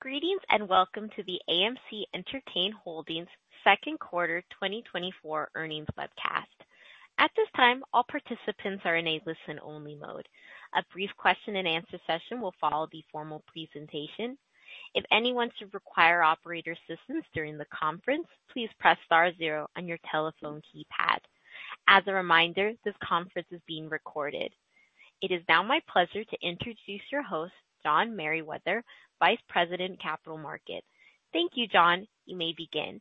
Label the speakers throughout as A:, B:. A: Greetings and welcome to the AMC Entertainment Holdings' second quarter 2024 earnings webcast. At this time, all participants are in a listen-only mode. A brief question-and-answer session will follow the formal presentation. If anyone should require operator assistance during the conference, please press star zero on your telephone keypad. As a reminder, this conference is being recorded. It is now my pleasure to introduce your host, John Merriwether, Vice President, Capital Markets. Thank you, John. You may begin.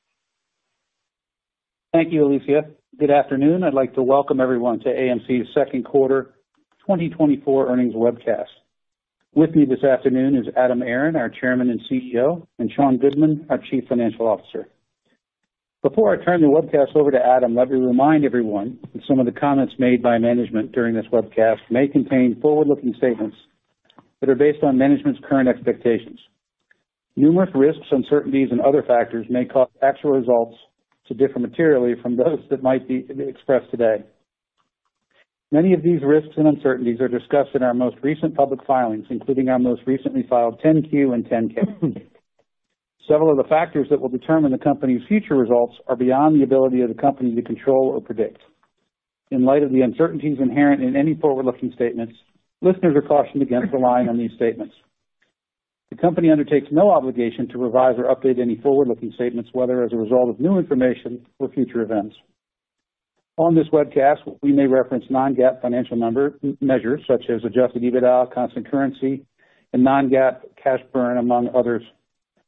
B: Thank you, Alicia. Good afternoon. I'd like to welcome everyone to AMC's second quarter 2024 earnings webcast. With me this afternoon is Adam Aron, our Chairman and CEO, and Sean Goodman, our Chief Financial Officer. Before I turn the webcast over to Adam, let me remind everyone that some of the comments made by management during this webcast may contain forward-looking statements that are based on management's current expectations. Numerous risks, uncertainties, and other factors may cause actual results to differ materially from those that might be expressed today. Many of these risks and uncertainties are discussed in our most recent public filings, including our most recently filed 10-Q and 10-K. Several of the factors that will determine the company's future results are beyond the ability of the company to control or predict. In light of the uncertainties inherent in any forward-looking statements, listeners are cautioned against relying on these statements. The company undertakes no obligation to revise or update any forward-looking statements, whether as a result of new information or future events. On this webcast, we may reference non-GAAP financial measures such as Adjusted EBITDA, constant currency, and non-GAAP cash burn, among others.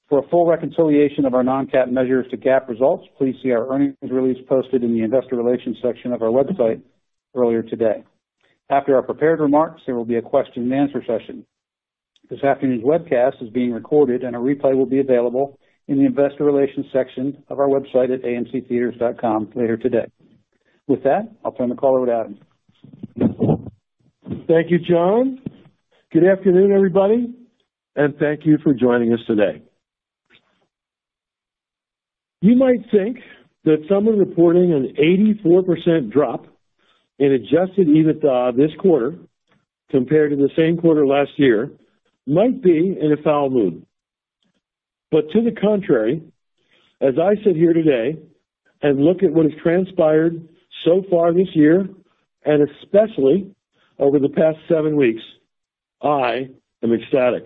B: For a full reconciliation of our non-GAAP measures to GAAP results, please see our earnings release posted in the investor relations section of our website earlier today. After our prepared remarks, there will be a question-and-answer session. This afternoon's webcast is being recorded, and a replay will be available in the investor relations section of our website at amctheatres.com later today. With that, I'll turn the call over to Adam.
C: Thank you, John. Good afternoon, everybody, and thank you for joining us today. You might think that someone reporting an 84% drop in Adjusted EBITDA this quarter compared to the same quarter last year might be in a foul mood. But to the contrary, as I sit here today and look at what has transpired so far this year, and especially over the past seven weeks, I am ecstatic.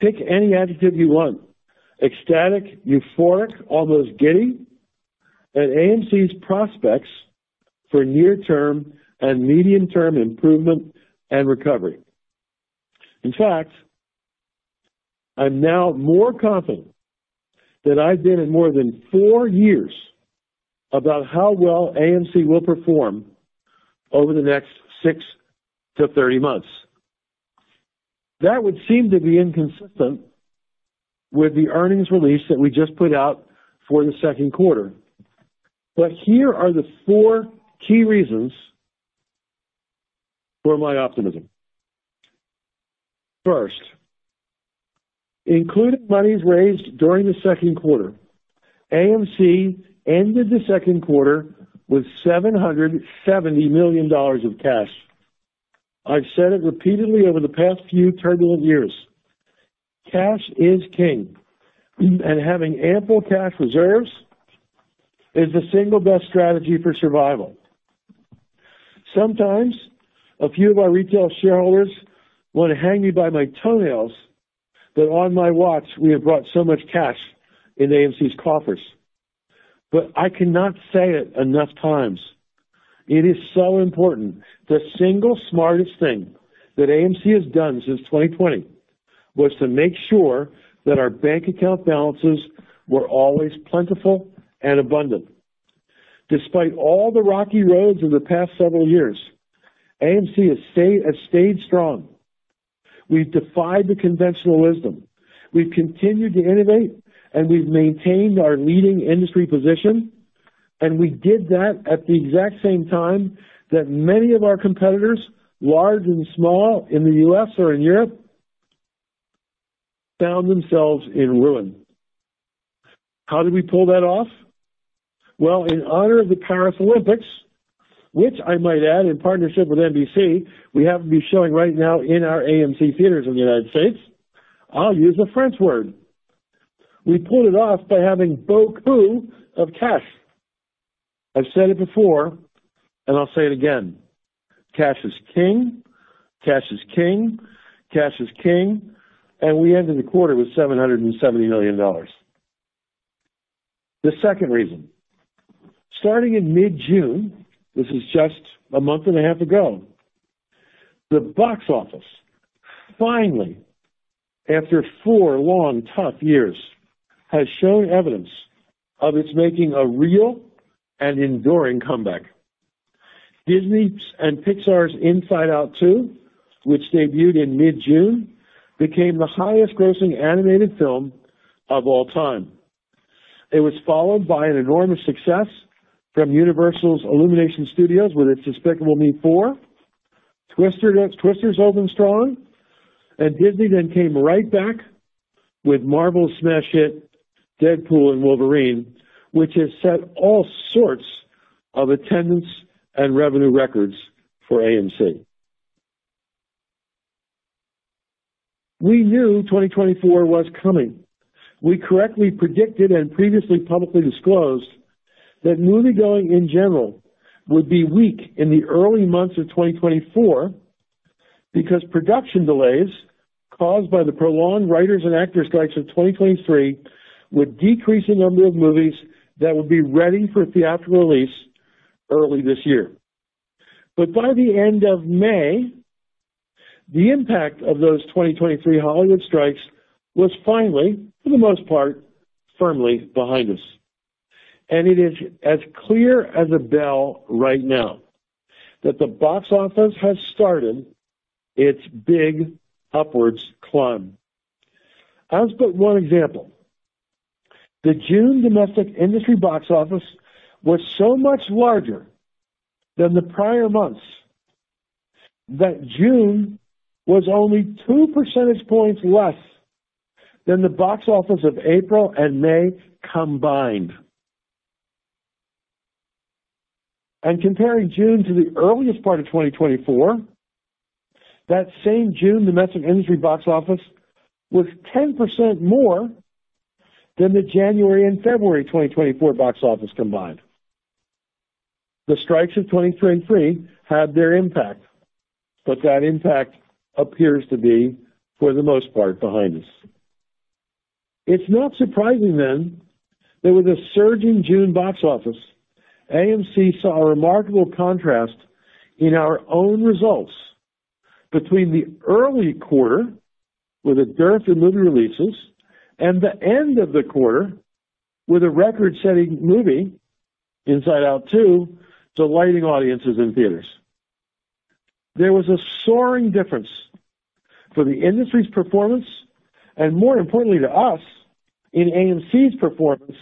C: Pick any adjective you want: ecstatic, euphoric, almost giddy. At AMC's prospects for near-term and medium-term improvement and recovery. In fact, I'm now more confident than I've been in more than four years about how well AMC will perform over the next 6-30 months. That would seem to be inconsistent with the earnings release that we just put out for the second quarter. But here are the four key reasons for my optimism. First, including monies raised during the second quarter, AMC ended the second quarter with $770 million of cash. I've said it repeatedly over the past few turbulent years. Cash is king, and having ample cash reserves is the single best strategy for survival. Sometimes, a few of our retail shareholders want to hang me by my toenails that on my watch we have brought so much cash in AMC's coffers. But I cannot say it enough times. It is so important. The single smartest thing that AMC has done since 2020 was to make sure that our bank account balances were always plentiful and abundant. Despite all the rocky roads of the past several years, AMC has stayed strong. We've defied the conventional wisdom. We've continued to innovate, and we've maintained our leading industry position. And we did that at the exact same time that many of our competitors, large and small in the U.S. or in Europe, found themselves in ruin. How did we pull that off? Well, in honor of the Paris Olympics, which I might add, in partnership with NBC, we have to be showing right now in our AMC theaters in the United States, I'll use a French word. We pulled it off by having beaucoup of cash. I've said it before, and I'll say it again. Cash is king. Cash is king. Cash is king. And we ended the quarter with $770 million. The second reason. Starting in mid-June, this is just a month and a half ago, the box office, finally, after four long, tough years, has shown evidence of its making a real and enduring comeback. Disney's and Pixar's Inside Out 2, which debuted in mid-June, became the highest-grossing animated film of all time. It was followed by an enormous success from Universal's Illumination Studios with its Despicable Me 4, Twisters opened strong, and Disney then came right back with Marvel's smash hit Deadpool and Wolverine, which has set all sorts of attendance and revenue records for AMC. We knew 2024 was coming. We correctly predicted and previously publicly disclosed that moviegoing in general would be weak in the early months of 2024 because production delays caused by the prolonged writers' and actors' strikes of 2023 would decrease the number of movies that would be ready for theatrical release early this year. But by the end of May, the impact of those 2023 Hollywood strikes was finally, for the most part, firmly behind us. And it is as clear as a bell right now that the box office has started its big upwards climb. I'll just put one example. The June domestic industry box office was so much larger than the prior months that June was only two percentage points less than the box office of April and May combined. And comparing June to the earliest part of 2024, that same June domestic industry box office was 10% more than the January and February 2024 box office combined. The strikes of 2023 had their impact, but that impact appears to be, for the most part, behind us. It's not surprising then that with a surge in June box office, AMC saw a remarkable contrast in our own results between the early quarter with a dearth in movie releases and the end of the quarter with a record-setting movie, Inside Out 2, delighting audiences in theaters. There was a soaring difference for the industry's performance and, more importantly to us, in AMC's performance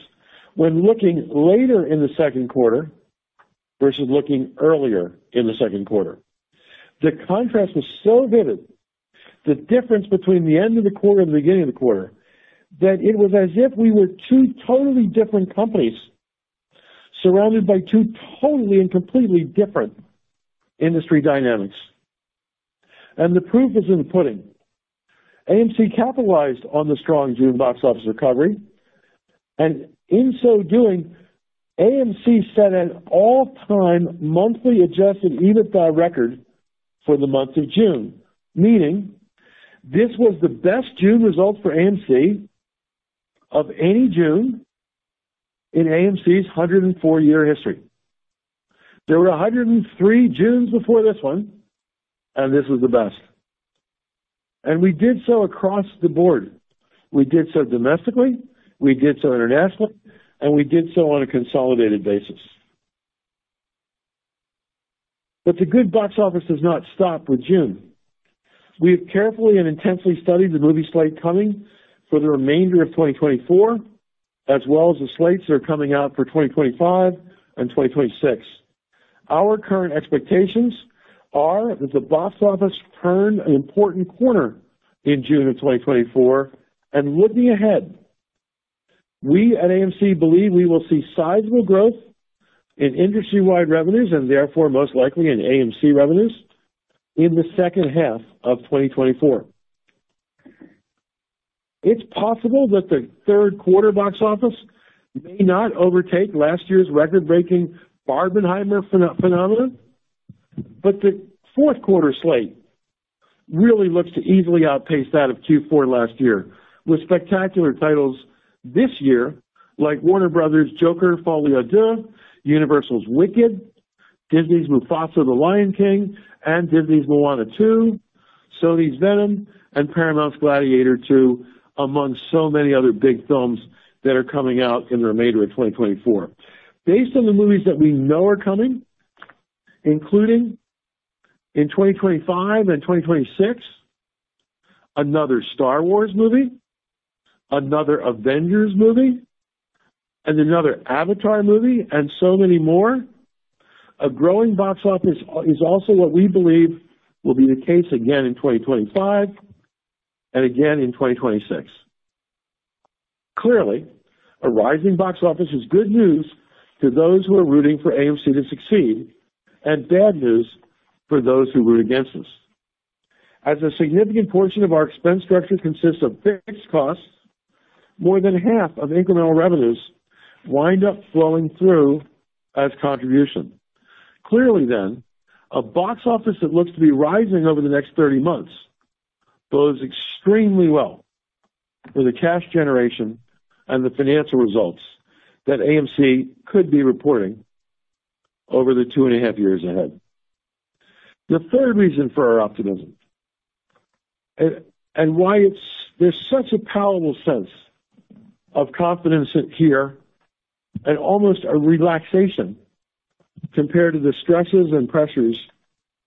C: when looking later in the second quarter versus looking earlier in the second quarter. The contrast was so vivid, the difference between the end of the quarter and the beginning of the quarter, that it was as if we were two totally different companies surrounded by two totally and completely different industry dynamics. And the proof is in the pudding. AMC capitalized on the strong June box office recovery. In so doing, AMC set an all-time monthly Adjusted EBITDA record for the month of June, meaning this was the best June result for AMC of any June in AMC's 104-year history. There were 103 Junes before this one, and this was the best. We did so across the board. We did so domestically. We did so internationally. We did so on a consolidated basis. But the good box office does not stop with June. We have carefully and intensely studied the movie slate coming for the remainder of 2024, as well as the slates that are coming out for 2025 and 2026. Our current expectations are that the box office turn an important corner in June of 2024. Looking ahead, we at AMC believe we will see sizable growth in industry-wide revenues and therefore most likely in AMC revenues in the second half of 2024. It's possible that the third quarter box office may not overtake last year's record-breaking Barbenheimer phenomenon, but the fourth quarter slate really looks to easily outpace that of Q4 last year with spectacular titles this year like Warner Bros. Joker: Folie à Deux, Universal's Wicked, Disney's Mufasa: The Lion King, and Disney's Moana 2, Sony's Venom, and Paramount's Gladiator II, among so many other big films that are coming out in the remainder of 2024. Based on the movies that we know are coming, including in 2025 and 2026, another Star Wars movie, another Avengers movie, and another Avatar movie, and so many more, a growing box office is also what we believe will be the case again in 2025 and again in 2026. Clearly, a rising box office is good news to those who are rooting for AMC to succeed and bad news for those who root against us. As a significant portion of our expense structure consists of fixed costs, more than half of incremental revenues wind up flowing through as contribution. Clearly then, a box office that looks to be rising over the next 30 months bodes extremely well for the cash generation and the financial results that AMC could be reporting over the two and a half years ahead. The third reason for our optimism and why there's such a palpable sense of confidence here and almost a relaxation compared to the stresses and pressures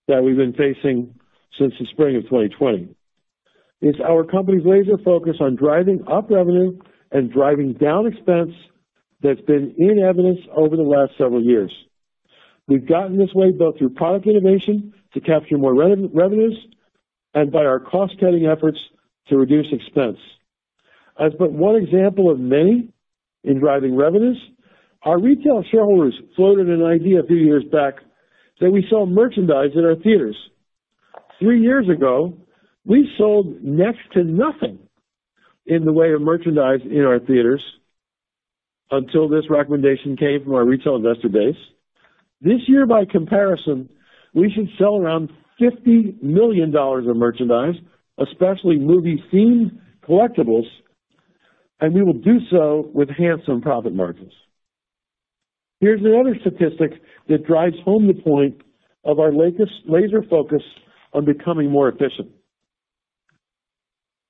C: that we've been facing since the spring of 2020 is our company's laser focus on driving up revenue and driving down expense that's been in evidence over the last several years. We've gotten this way both through product innovation to capture more revenues and by our cost-cutting efforts to reduce expense. As but one example of many in driving revenues, our retail shareholders floated an idea a few years back that we sell merchandise in our theaters. Three years ago, we sold next to nothing in the way of merchandise in our theaters until this recommendation came from our retail investor base. This year, by comparison, we should sell around $50 million of merchandise, especially movie-themed collectibles, and we will do so with handsome profit margins. Here's another statistic that drives home the point of our laser focus on becoming more efficient.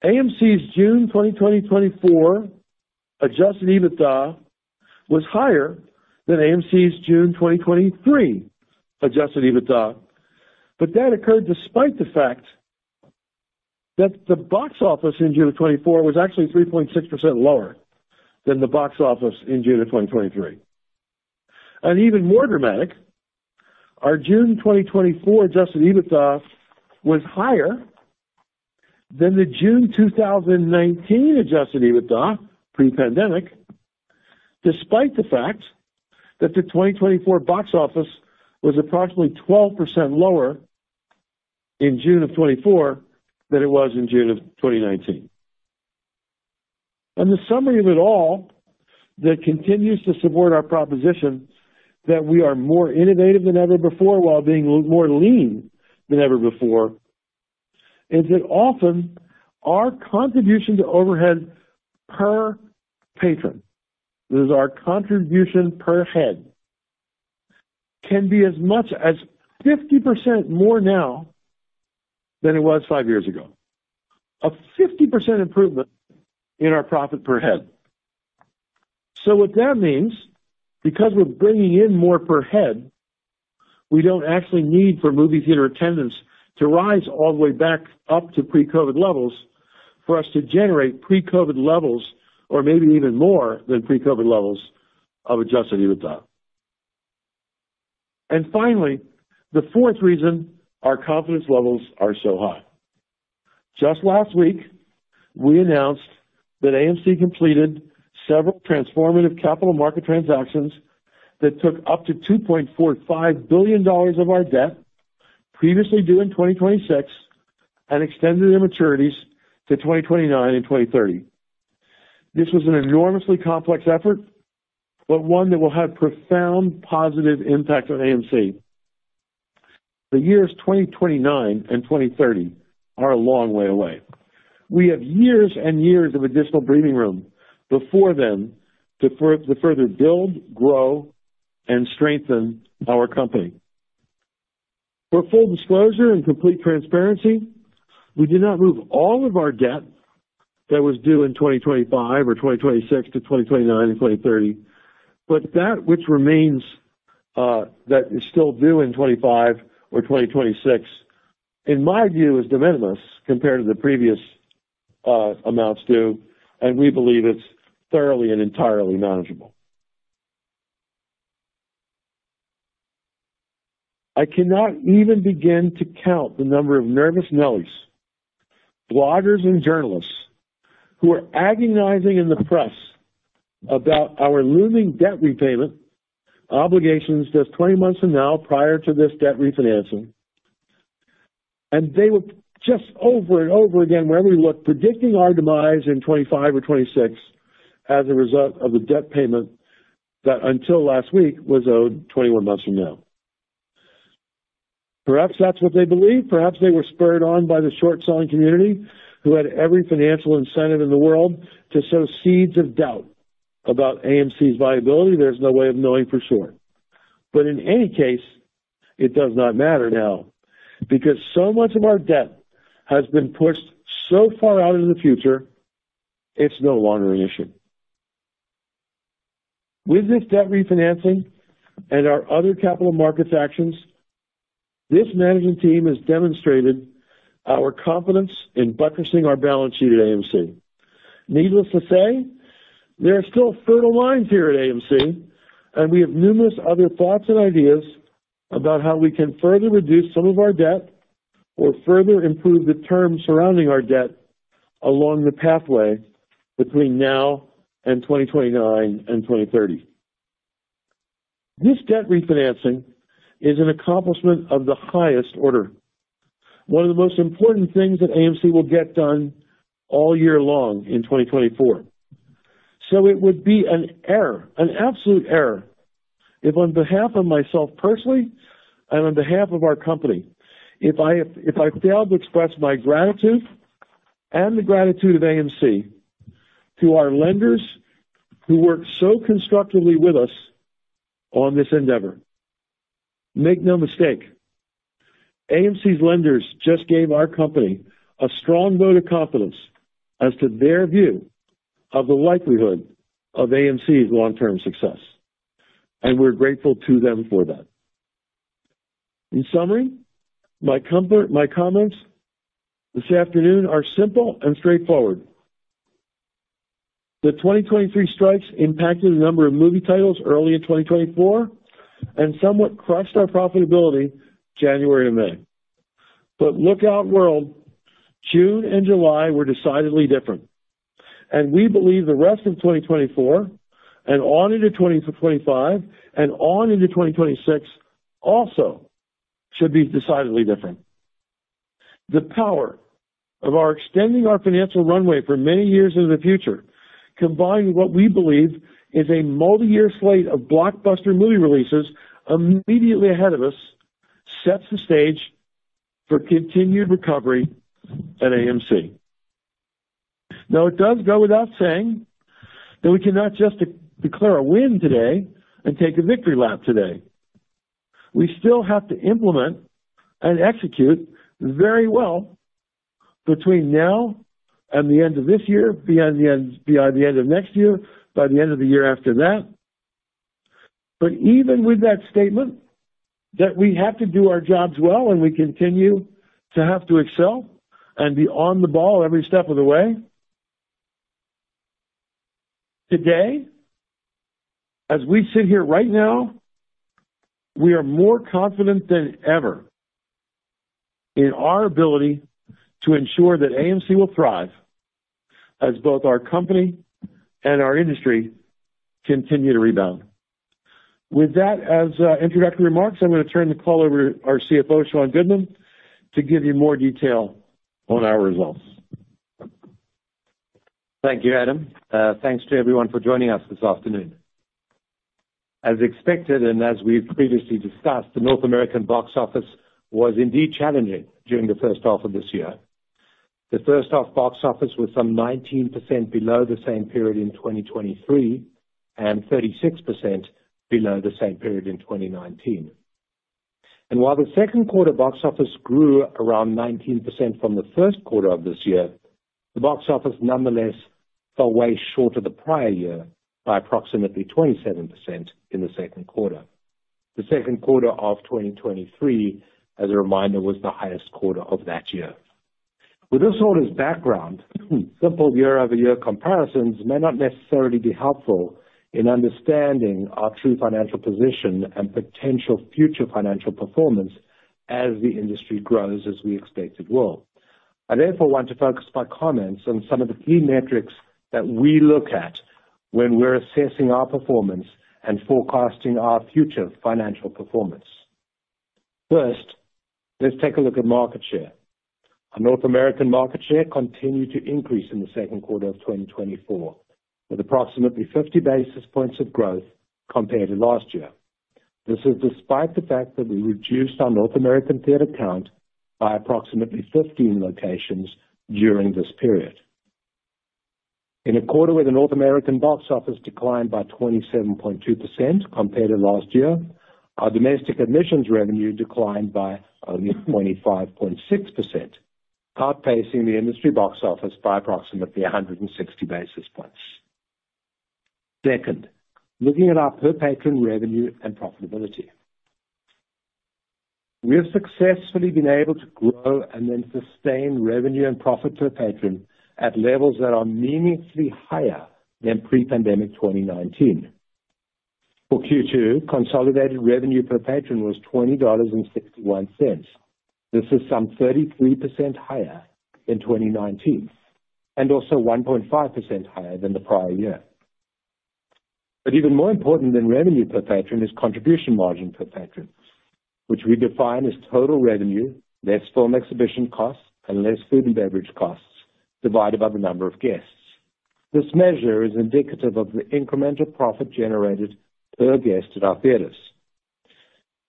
C: AMC's June 2024 adjusted EBITDA was higher than AMC's June 2023 adjusted EBITDA, but that occurred despite the fact that the box office in June of 2024 was actually 3.6% lower than the box office in June of 2023. Even more dramatic, our June 2024 adjusted EBITDA was higher than the June 2019 adjusted EBITDA pre-pandemic, despite the fact that the 2024 box office was approximately 12% lower in June of 2024 than it was in June of 2019. The summary of it all that continues to support our proposition that we are more innovative than ever before while being more lean than ever before is that often our contribution to overhead per patron, that is, our contribution per head, can be as much as 50% more now than it was five years ago, a 50% improvement in our profit per head. What that means, because we're bringing in more per head, we don't actually need for movie theater attendance to rise all the way back up to pre-COVID levels for us to generate pre-COVID levels or maybe even more than pre-COVID levels of adjusted EBITDA. Finally, the fourth reason our confidence levels are so high. Just last week, we announced that AMC completed several transformative capital market transactions that took up to $2.45 billion of our debt previously due in 2026 and extended their maturities to 2029 and 2030. This was an enormously complex effort, but one that will have profound positive impact on AMC. The years 2029 and 2030 are a long way away. We have years and years of additional breathing room before then to further build, grow, and strengthen our company. For full disclosure and complete transparency, we did not move all of our debt that was due in 2025 or 2026 to 2029 and 2030, but that which remains that is still due in 2025 or 2026, in my view, is de minimis compared to the previous amounts due, and we believe it's thoroughly and entirely manageable. I cannot even begin to count the number of nervous nellies, bloggers, and journalists who are agonizing in the press about our looming debt repayment obligations just 20 months from now prior to this debt refinancing. They were just over and over again, wherever we look, predicting our demise in 2025 or 2026 as a result of the debt payment that until last week was owed 21 months from now. Perhaps that's what they believe. Perhaps they were spurred on by the short-selling community who had every financial incentive in the world to sow seeds of doubt about AMC's viability. There's no way of knowing for sure. In any case, it does not matter now because so much of our debt has been pushed so far out into the future, it's no longer an issue. With this debt refinancing and our other capital markets actions, this management team has demonstrated our confidence in buttressing our balance sheet at AMC. Needless to say, there are still fertile minds here at AMC, and we have numerous other thoughts and ideas about how we can further reduce some of our debt or further improve the terms surrounding our debt along the pathway between now and 2029 and 2030. This debt refinancing is an accomplishment of the highest order, one of the most important things that AMC will get done all year long in 2024. So it would be an error, an absolute error if, on behalf of myself personally and on behalf of our company, if I failed to express my gratitude and the gratitude of AMC to our lenders who work so constructively with us on this endeavor. Make no mistake, AMC's lenders just gave our company a strong vote of confidence as to their view of the likelihood of AMC's long-term success, and we're grateful to them for that. In summary, my comments this afternoon are simple and straightforward. The 2023 strikes impacted the number of movie titles early in 2024 and somewhat crushed our profitability January and May. But look out, world. June and July were decidedly different, and we believe the rest of 2024 and on into 2025 and on into 2026 also should be decidedly different. The power of our extending our financial runway for many years into the future, combined with what we believe is a multi-year slate of blockbuster movie releases immediately ahead of us, sets the stage for continued recovery at AMC. Now, it does go without saying that we cannot just declare a win today and take a victory lap today. We still have to implement and execute very well between now and the end of this year, by the end of next year, by the end of the year after that. But even with that statement that we have to do our jobs well and we continue to have to excel and be on the ball every step of the way, today, as we sit here right now, we are more confident than ever in our ability to ensure that AMC will thrive as both our company and our industry continue to rebound. With that as introductory remarks, I'm going to turn the call over to our CFO, Sean Goodman, to give you more detail on our results.
D: Thank you, Adam. Thanks to everyone for joining us this afternoon. As expected and as we've previously discussed, the North American box office was indeed challenging during the first half of this year. The first-half box office was some 19% below the same period in 2023 and 36% below the same period in 2019. And while the second quarter box office grew around 19% from the first quarter of this year, the box office nonetheless fell way shorter the prior year by approximately 27% in the second quarter. The second quarter of 2023, as a reminder, was the highest quarter of that year. With this all as background, simple year-over-year comparisons may not necessarily be helpful in understanding our true financial position and potential future financial performance as the industry grows as we expect it will. I therefore want to focus my comments on some of the key metrics that we look at when we're assessing our performance and forecasting our future financial performance. First, let's take a look at market share. Our North American market share continued to increase in the second quarter of 2024 with approximately 50 basis points of growth compared to last year. This is despite the fact that we reduced our North American theater count by approximately 15 locations during this period. In a quarter where the North American box office declined by 27.2% compared to last year, our domestic admissions revenue declined by only 25.6%, outpacing the industry box office by approximately 160 basis points. Second, looking at our per-patron revenue and profitability, we have successfully been able to grow and then sustain revenue and profit per patron at levels that are meaningfully higher than pre-pandemic 2019. For Q2, consolidated revenue per patron was $20.61. This is some 33% higher than 2019 and also 1.5% higher than the prior year. But even more important than revenue per patron is contribution margin per patron, which we define as total revenue, less film exhibition costs, and less food and beverage costs divided by the number of guests. This measure is indicative of the incremental profit generated per guest at our theaters.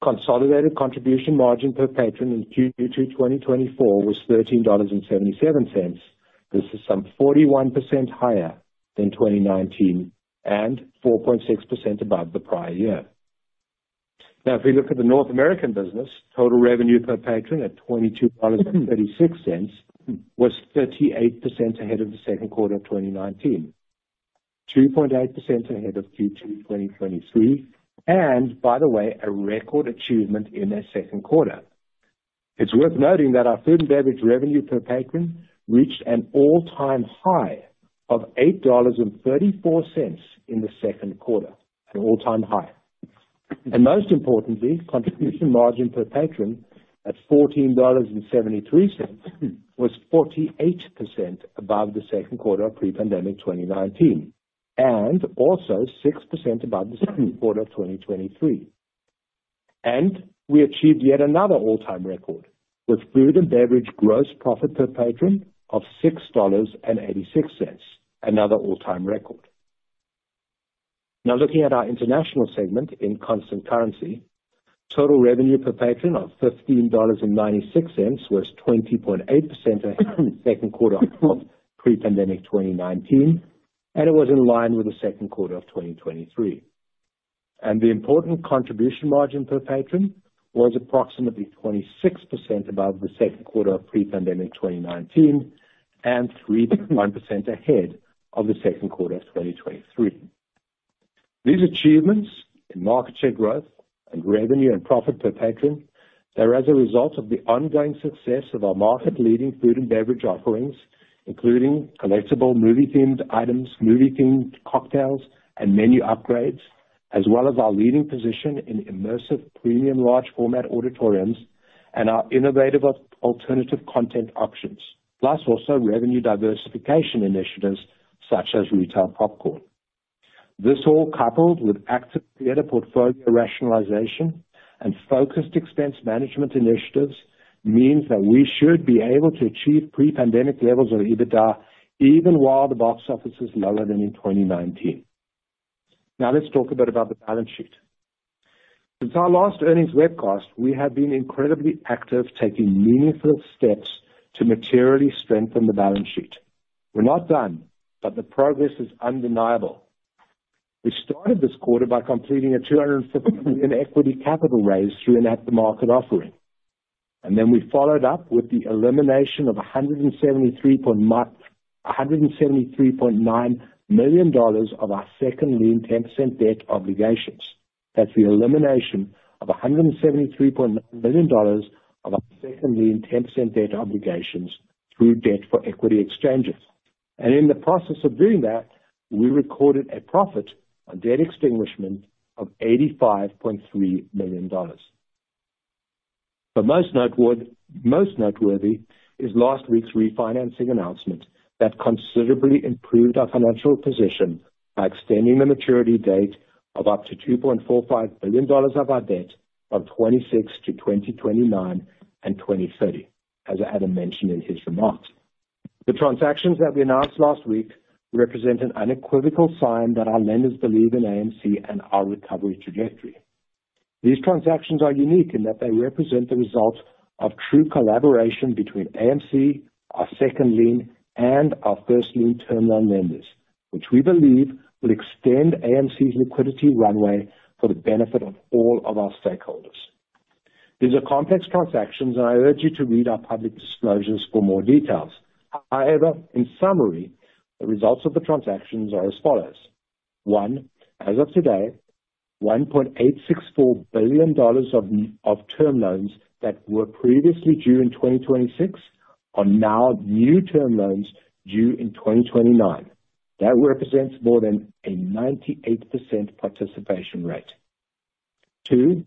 D: Consolidated contribution margin per patron in Q2 2024 was $13.77. This is some 41% higher than 2019 and 4.6% above the prior year. Now, if we look at the North American business, total revenue per patron at $22.36 was 38% ahead of the second quarter of 2019, 2.8% ahead of Q2 2023, and by the way, a record achievement in their second quarter. It's worth noting that our food and beverage revenue per patron reached an all-time high of $8.34 in the second quarter, an all-time high. Most importantly, contribution margin per patron at $14.73 was 48% above the second quarter of pre-pandemic 2019 and also 6% above the second quarter of 2023. We achieved yet another all-time record with food and beverage gross profit per patron of $6.86, another all-time record. Now, looking at our international segment in constant currency, total revenue per patron of $15.96 was 20.8% ahead of the second quarter of pre-pandemic 2019, and it was in line with the second quarter of 2023. The important contribution margin per patron was approximately 26% above the second quarter of pre-pandemic 2019 and 3.1% ahead of the second quarter of 2023. These achievements in market share growth and revenue and profit per patron, they're as a result of the ongoing success of our market-leading food and beverage offerings, including collectible movie-themed items, movie-themed cocktails, and menu upgrades, as well as our leading position in immersive premium large-format auditoriums and our innovative alternative content options, plus also revenue diversification initiatives such as retail popcorn. This all coupled with active theater portfolio rationalization and focused expense management initiatives means that we should be able to achieve pre-pandemic levels of EBITDA even while the box office is lower than in 2019. Now, let's talk a bit about the balance sheet. Since our last earnings webcast, we have been incredibly active taking meaningful steps to materially strengthen the balance sheet. We're not done, but the progress is undeniable. We started this quarter by completing a $250 million equity capital raise through an aftermarket offering, and then we followed up with the elimination of $173.9 million of our second lien 10% debt obligations. That's the elimination of $173.9 million of our second lien 10% debt obligations through debt for equity exchanges. And in the process of doing that, we recorded a profit on debt extinguishment of $85.3 million. But most noteworthy is last week's refinancing announcement that considerably improved our financial position by extending the maturity date of up to $2.45 billion of our debt from 2026 to 2029 and 2030, as Adam mentioned in his remarks. The transactions that we announced last week represent an unequivocal sign that our lenders believe in AMC and our recovery trajectory. These transactions are unique in that they represent the result of true collaboration between AMC, our second lien, and our first lien term lenders, which we believe will extend AMC's liquidity runway for the benefit of all of our stakeholders. These are complex transactions, and I urge you to read our public disclosures for more details. However, in summary, the results of the transactions are as follows. One, as of today, $1.864 billion of term loans that were previously due in 2026 are now new term loans due in 2029. That represents more than a 98% participation rate. Two,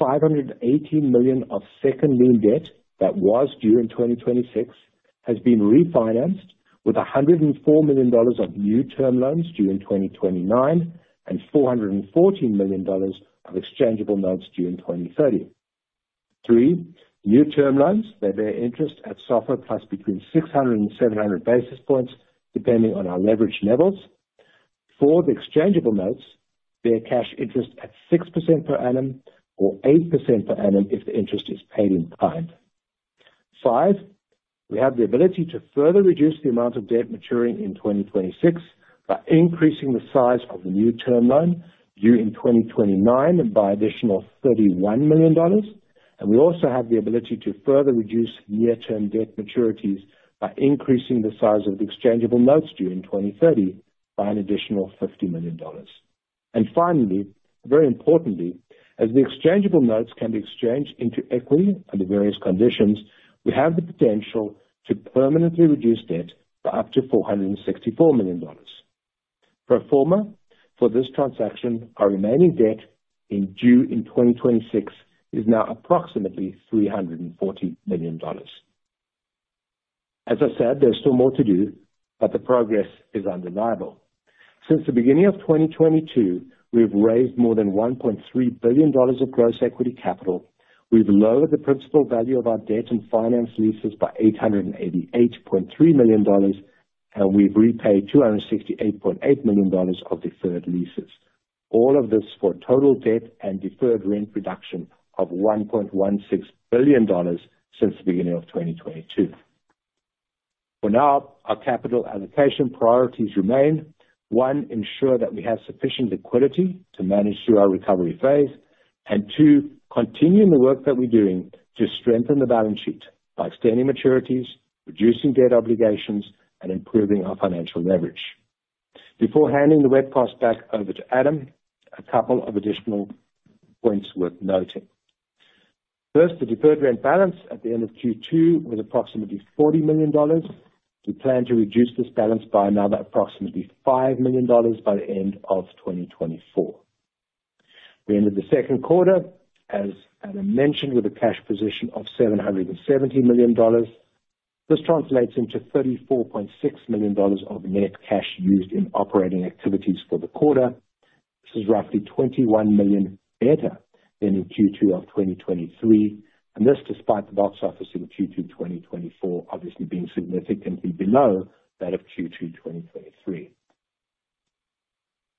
D: $580 million of second lien debt that was due in 2026 has been refinanced with $104 million of new term loans due in 2029 and $414 million of exchangeable notes due in 2030. Three, new term loans bear interest at SOFR plus 600-700 basis points depending on our leverage levels. Four, the exchangeable notes bear cash interest at 6% per annum or 8% per annum if the interest is paid in kind. Five, we have the ability to further reduce the amount of debt maturing in 2026 by increasing the size of the new term loan due in 2029 by an additional $31 million. And we also have the ability to further reduce near-term debt maturities by increasing the size of the exchangeable notes due in 2030 by an additional $50 million. And finally, very importantly, as the exchangeable notes can be exchanged into equity under various conditions, we have the potential to permanently reduce debt by up to $464 million. Furthermore, for this transaction, our remaining debt due in 2026 is now approximately $340 million. As I said, there's still more to do, but the progress is undeniable. Since the beginning of 2022, we've raised more than $1.3 billion of gross equity capital. We've lowered the principal value of our debt and finance leases by $888.3 million, and we've repaid $268.8 million of deferred leases. All of this for total debt and deferred rent reduction of $1.16 billion since the beginning of 2022. For now, our capital allocation priorities remain. One, ensure that we have sufficient liquidity to manage through our recovery phase. And two, continue the work that we're doing to strengthen the balance sheet by extending maturities, reducing debt obligations, and improving our financial leverage. Before handing the webcast back over to Adam, a couple of additional points worth noting. First, the deferred rent balance at the end of Q2 was approximately $40 million. We plan to reduce this balance by another approximately $5 million by the end of 2024. We ended the second quarter, as Adam mentioned, with a cash position of $770 million. This translates into $34.6 million of net cash used in operating activities for the quarter. This is roughly $21 million better than in Q2 of 2023, and this despite the box office in Q2 2024 obviously being significantly below that of Q2 2023.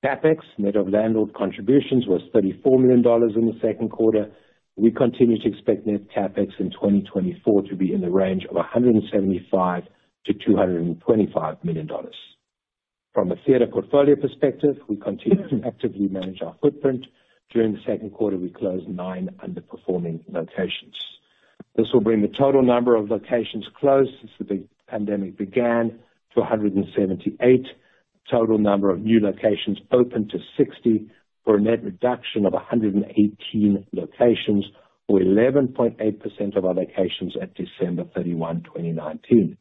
D: CapEx, net of landlord contributions, was $34 million in the second quarter. We continue to expect net CapEx in 2024 to be in the range of $175-$225 million. From a theater portfolio perspective, we continue to actively manage our footprint. During the second quarter, we closed nine underperforming locations. This will bring the total number of locations closed since the pandemic began to 178, the total number of new locations opened to 60, for a net reduction of 118 locations, or 11.8% of our locations at December 31, 2019.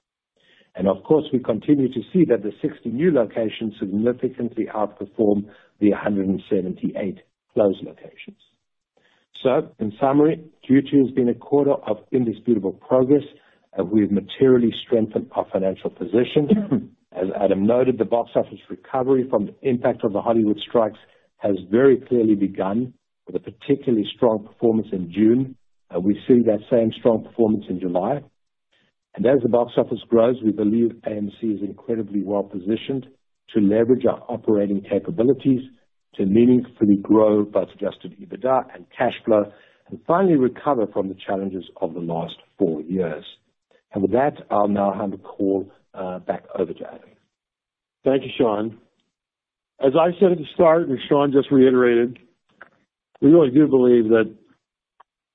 D: And of course, we continue to see that the 60 new locations significantly outperform the 178 closed locations. So, in summary, Q2 has been a quarter of indisputable progress, and we've materially strengthened our financial position. As Adam noted, the box office recovery from the impact of the Hollywood strikes has very clearly begun, with a particularly strong performance in June, and we see that same strong performance in July. And as the box office grows, we believe AMC is incredibly well positioned to leverage our operating capabilities to meaningfully grow both Adjusted EBITDA and cash flow, and finally recover from the challenges of the last four years. With that, I'll now hand the call back over to Adam.
C: Thank you, Sean. As I said at the start, and Sean just reiterated, we really do believe that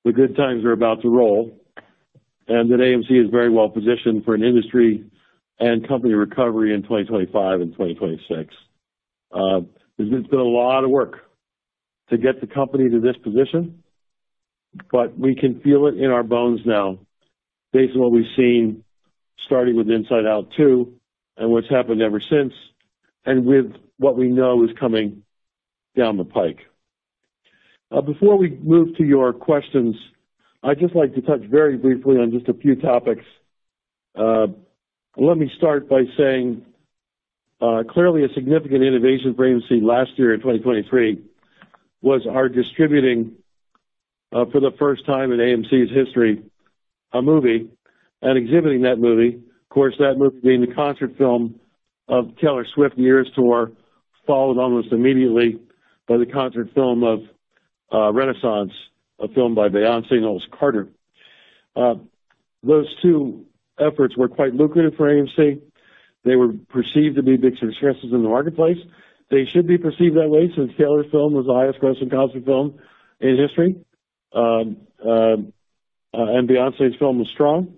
C: the good times are about to roll, and that AMC is very well positioned for an industry and company recovery in 2025 and 2026. There's been a lot of work to get the company to this position, but we can feel it in our bones now based on what we've seen starting with Inside Out 2 and what's happened ever since, and with what we know is coming down the pike. Before we move to your questions, I'd just like to touch very briefly on just a few topics. Let me start by saying clearly a significant innovation for AMC last year in 2023 was our distributing for the first time in AMC's history a movie and exhibiting that movie. Of course, that movie being the concert film of Taylor Swift's Eras Tour, followed almost immediately by the concert film of Renaissance, a film by Beyoncé and Shawn Carter. Those two efforts were quite lucrative for AMC. They were perceived to be big successes in the marketplace. They should be perceived that way since Taylor's film was the highest-grossing concert film in history, and Beyoncé's film was strong.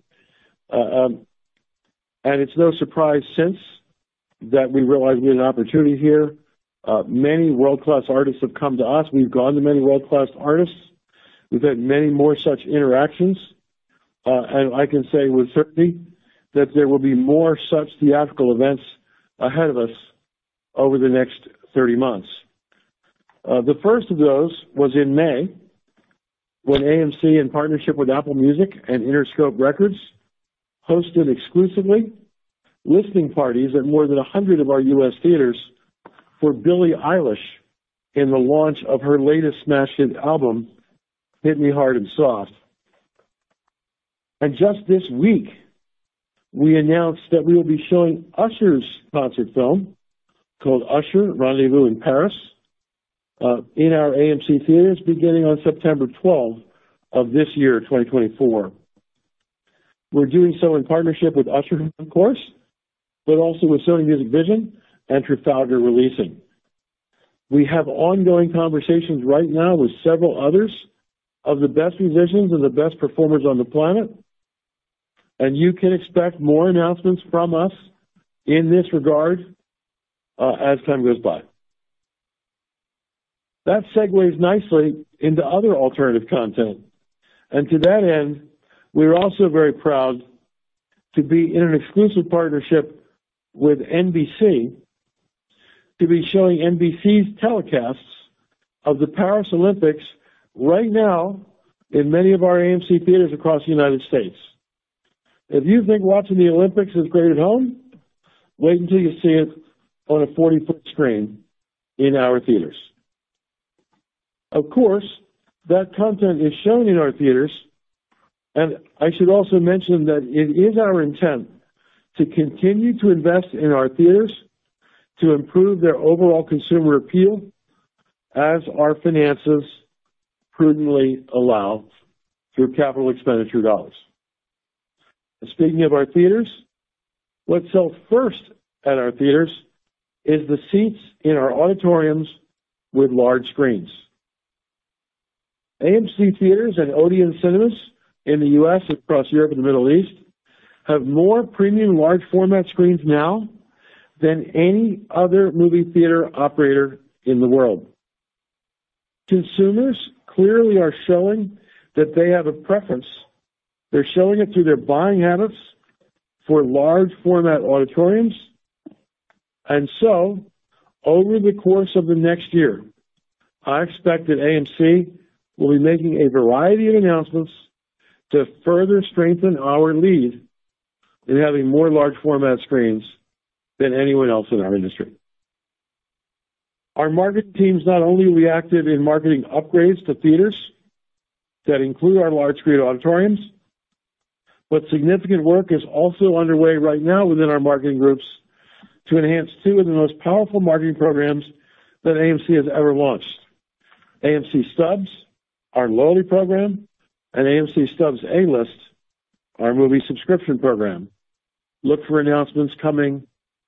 C: And it's no surprise since that we realized we had an opportunity here. Many world-class artists have come to us. We've gone to many world-class artists. We've had many more such interactions. And I can say with certainty that there will be more such theatrical events ahead of us over the next 30 months. The first of those was in May when AMC, in partnership with Apple Music and Interscope Records, hosted exclusively listening parties at more than 100 of our U.S. theaters for Billie Eilish in the launch of her latest smash hit album, Hit Me Hard and Soft. Just this week, we announced that we will be showing Usher's concert film called Usher: Rendezvous in Paris in our AMC theaters beginning on September 12 of this year, 2024. We're doing so in partnership with Usher, of course, but also with Sony Music Vision and Trafalgar Releasing. We have ongoing conversations right now with several others of the best musicians and the best performers on the planet, and you can expect more announcements from us in this regard as time goes by. That segues nicely into other alternative content. To that end, we're also very proud to be in an exclusive partnership with NBC to be showing NBC's telecasts of the Paris Olympics right now in many of our AMC theaters across the United States. If you think watching the Olympics is great at home, wait until you see it on a 40-foot screen in our theaters. Of course, that content is shown in our theaters, and I should also mention that it is our intent to continue to invest in our theaters to improve their overall consumer appeal as our finances prudently allow through capital expenditure dollars. Speaking of our theaters, what's sold first at our theaters is the seats in our auditoriums with large screens. AMC theaters and Odeon cinemas in the U.S. and across Europe and the Middle East have more premium large-format screens now than any other movie theater operator in the world. Consumers clearly are showing that they have a preference. They're showing it through their buying habits for large-format auditoriums. And so, over the course of the next year, I expect that AMC will be making a variety of announcements to further strengthen our lead in having more large-format screens than anyone else in our industry. Our marketing team is not only reactive in marketing upgrades to theaters that include our large-screen auditoriums, but significant work is also underway right now within our marketing groups to enhance two of the most powerful marketing programs that AMC has ever launched: AMC Stubs, our loyalty program, and AMC Stubs A-List, our movie subscription program. Look for announcements coming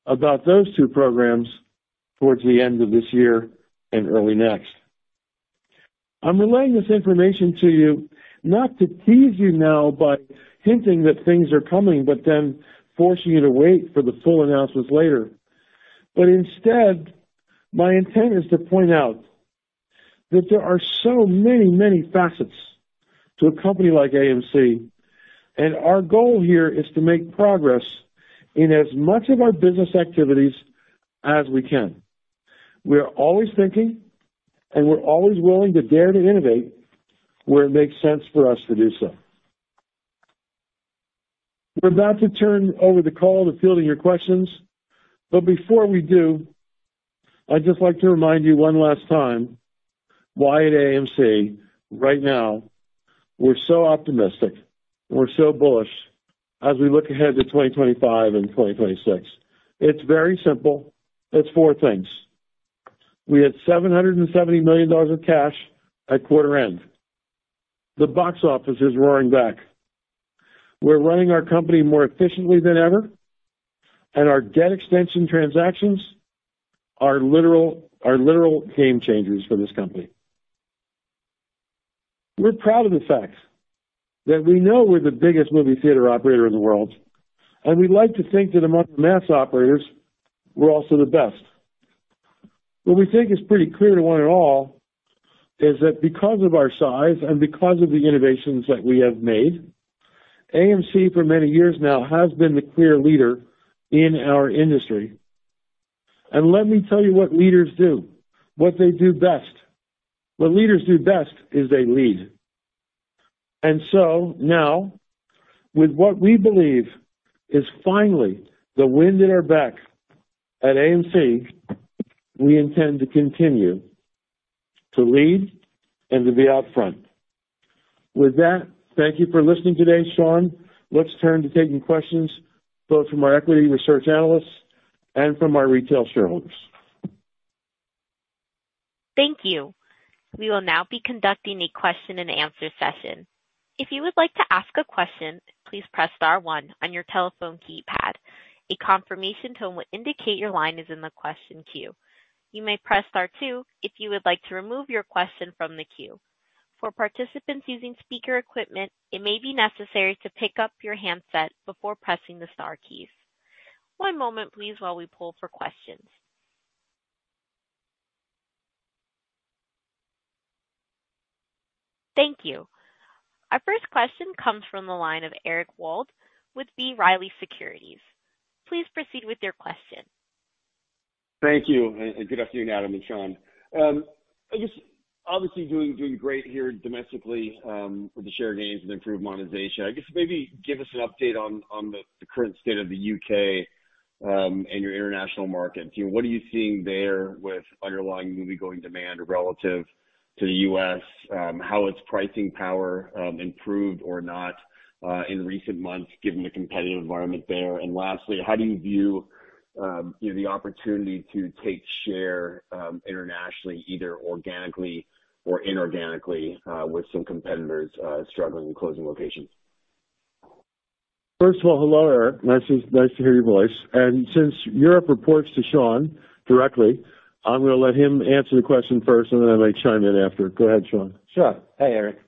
C: about those two programs towards the end of this year and early next. I'm relaying this information to you not to tease you now by hinting that things are coming, but then forcing you to wait for the full announcements later. But instead, my intent is to point out that there are so many, many facets to a company like AMC, and our goal here is to make progress in as much of our business activities as we can. We're always thinking, and we're always willing to dare to innovate where it makes sense for us to do so. We're about to turn over the call to fielding your questions, but before we do, I'd just like to remind you one last time why at AMC right now we're so optimistic and we're so bullish as we look ahead to 2025 and 2026. It's very simple. It's four things. We had $770 million of cash at quarter end. The box office is roaring back. We're running our company more efficiently than ever, and our debt extension transactions are literal game changers for this company. We're proud of the fact that we know we're the biggest movie theater operator in the world, and we'd like to think that among the mass operators, we're also the best. What we think is pretty clear to one and all is that because of our size and because of the innovations that we have made, AMC for many years now has been the clear leader in our industry. And let me tell you what leaders do, what they do best. What leaders do best is they lead. And so now, with what we believe is finally the wind in our back at AMC, we intend to continue to lead and to be out front. With that, thank you for listening today, Sean. Let's turn to taking questions both from our equity research analysts and from our retail shareholders.
A: Thank you. We will now be conducting a question-and-answer session. If you would like to ask a question, please press star one on your telephone keypad. A confirmation tone will indicate your line is in the question queue. You may press star two if you would like to remove your question from the queue. For participants using speaker equipment, it may be necessary to pick up your handset before pressing the star keys. One moment, please, while we pull for questions. Thank you. Our first question comes from the line of Eric Wold with B. Riley Securities. Please proceed with your question.
E: Thank you. And good afternoon, Adam and Sean. I guess, obviously, doing great here domestically with the share gains and improved monetization. I guess maybe give us an update on the current state of the U.K. and your international markets. What are you seeing there with underlying movie-going demand relative to the U.S.? How has pricing power improved or not in recent months given the competitive environment there? And lastly, how do you view the opportunity to take share internationally, either organically or inorganically, with some competitors struggling in closing locations?
C: First of all, hello, Eric. Nice to hear your voice. And since Europe reports to Sean directly, I'm going to let him answer the question first, and then I may chime in after. Go ahead, Sean.
D: Sure. Hey, Eric.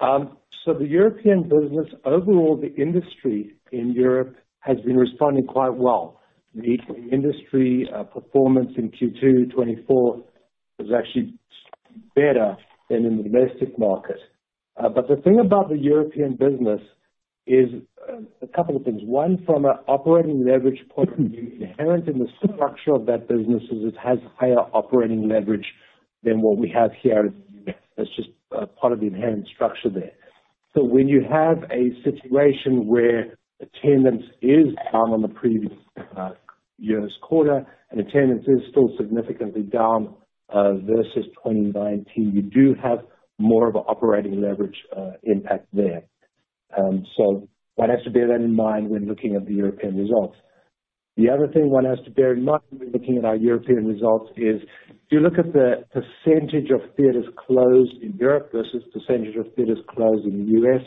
D: So the European business, overall, the industry in Europe has been responding quite well. The industry performance in Q2 2024 was actually better than in the domestic market. But the thing about the European business is a couple of things. One, from an operating leverage point of view, inherent in the structure of that business is it has higher operating leverage than what we have here in the U.S. That's just part of the inherent structure there. So when you have a situation where attendance is down on the previous year's quarter and attendance is still significantly down versus 2019, you do have more of an operating leverage impact there. So one has to bear that in mind when looking at the European results. The other thing one has to bear in mind when looking at our European results is if you look at the percentage of theaters closed in Europe versus the percentage of theaters closed in the U.S.,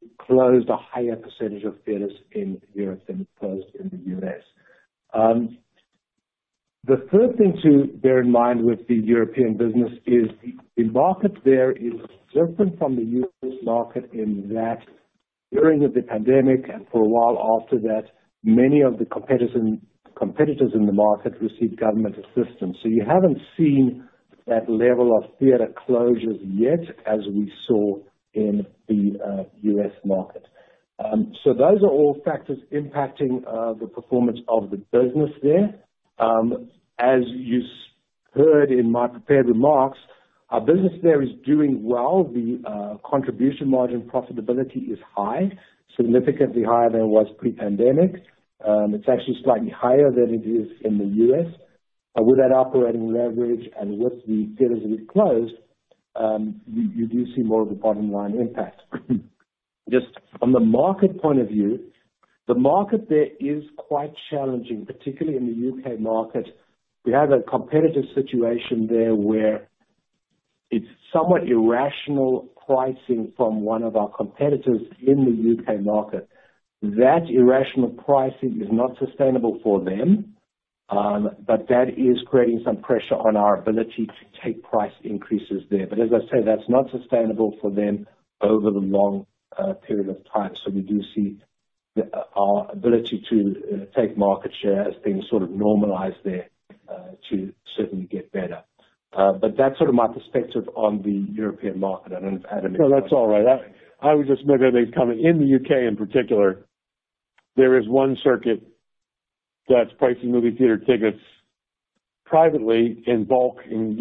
D: we closed a higher percentage of theaters in Europe than we closed in the U.S. The third thing to bear in mind with the European business is the market there is different from the U.S. market in that during the pandemic and for a while after that, many of the competitors in the market received government assistance. So you haven't seen that level of theater closures yet as we saw in the U.S. market. So those are all factors impacting the performance of the business there. As you heard in my prepared remarks, our business there is doing well. The contribution margin profitability is high, significantly higher than it was pre-pandemic. It's actually slightly higher than it is in the U.S. With that operating leverage and with the theaters that we've closed, you do see more of the bottom-line impact. Just from the market point of view, the market there is quite challenging, particularly in the U.K. market. We have a competitive situation there where it's somewhat irrational pricing from one of our competitors in the U.K. market. That irrational pricing is not sustainable for them, but that is creating some pressure on our ability to take price increases there. But as I say, that's not sustainable for them over the long period of time. So we do see our ability to take market share as things sort of normalize there to certainly get better. But that's sort of my perspective on the European market. I don't know if Adam is-No,
C: That's all right. I was just noting that in the U.K. in particular, there is one circuit that's pricing movie theater tickets privately in bulk, and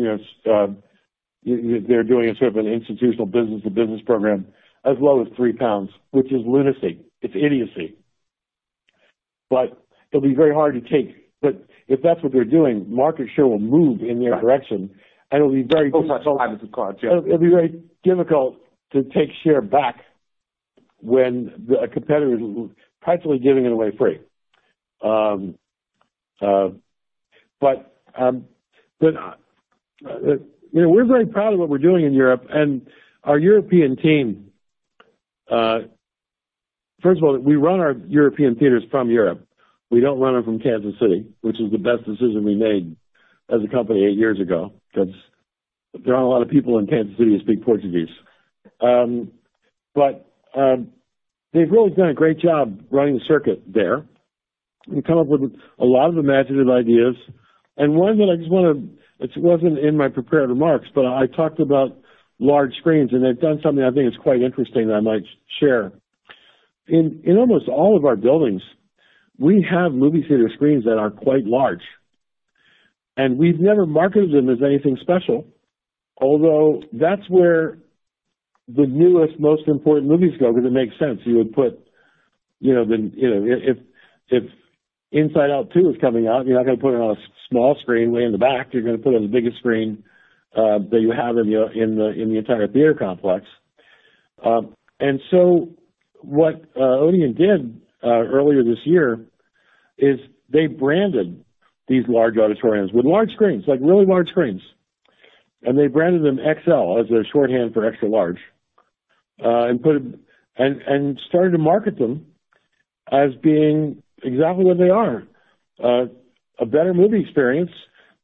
C: they're doing a sort of an institutional business-to-business program as low as £3, which is lunacy. It's idiocy. But it'll be very hard to take. But if that's what they're doing, market share will move in their direction, and it'll be very difficult-Oh, sorry, Private 2 Card, yeah. It'll be very difficult to take share back when a competitor is practically giving it away free. But we're very proud of what we're doing in Europe. And our European team, first of all, we run our European theaters from Europe. We don't run them from Kansas City, which is the best decision we made as a company eight years ago because there aren't a lot of people in Kansas City who speak Portuguese. But they've really done a great job running the circuit there and come up with a lot of imaginative ideas. And one that I just want to-it wasn't in my prepared remarks, but I talked about large screens, and they've done something I think is quite interesting that I might share. In almost all of our buildings, we have movie theater screens that are quite large, and we've never marketed them as anything special, although that's where the newest, most important movies go because it makes sense. You would put, if Inside Out 2 is coming out, you're not going to put it on a small screen way in the back. You're going to put it on the biggest screen that you have in the entire theater complex. So what Odeon did earlier this year is they branded these large auditoriums with large screens, like really large screens. They branded them XL as their shorthand for extra large and started to market them as being exactly what they are: a better movie experience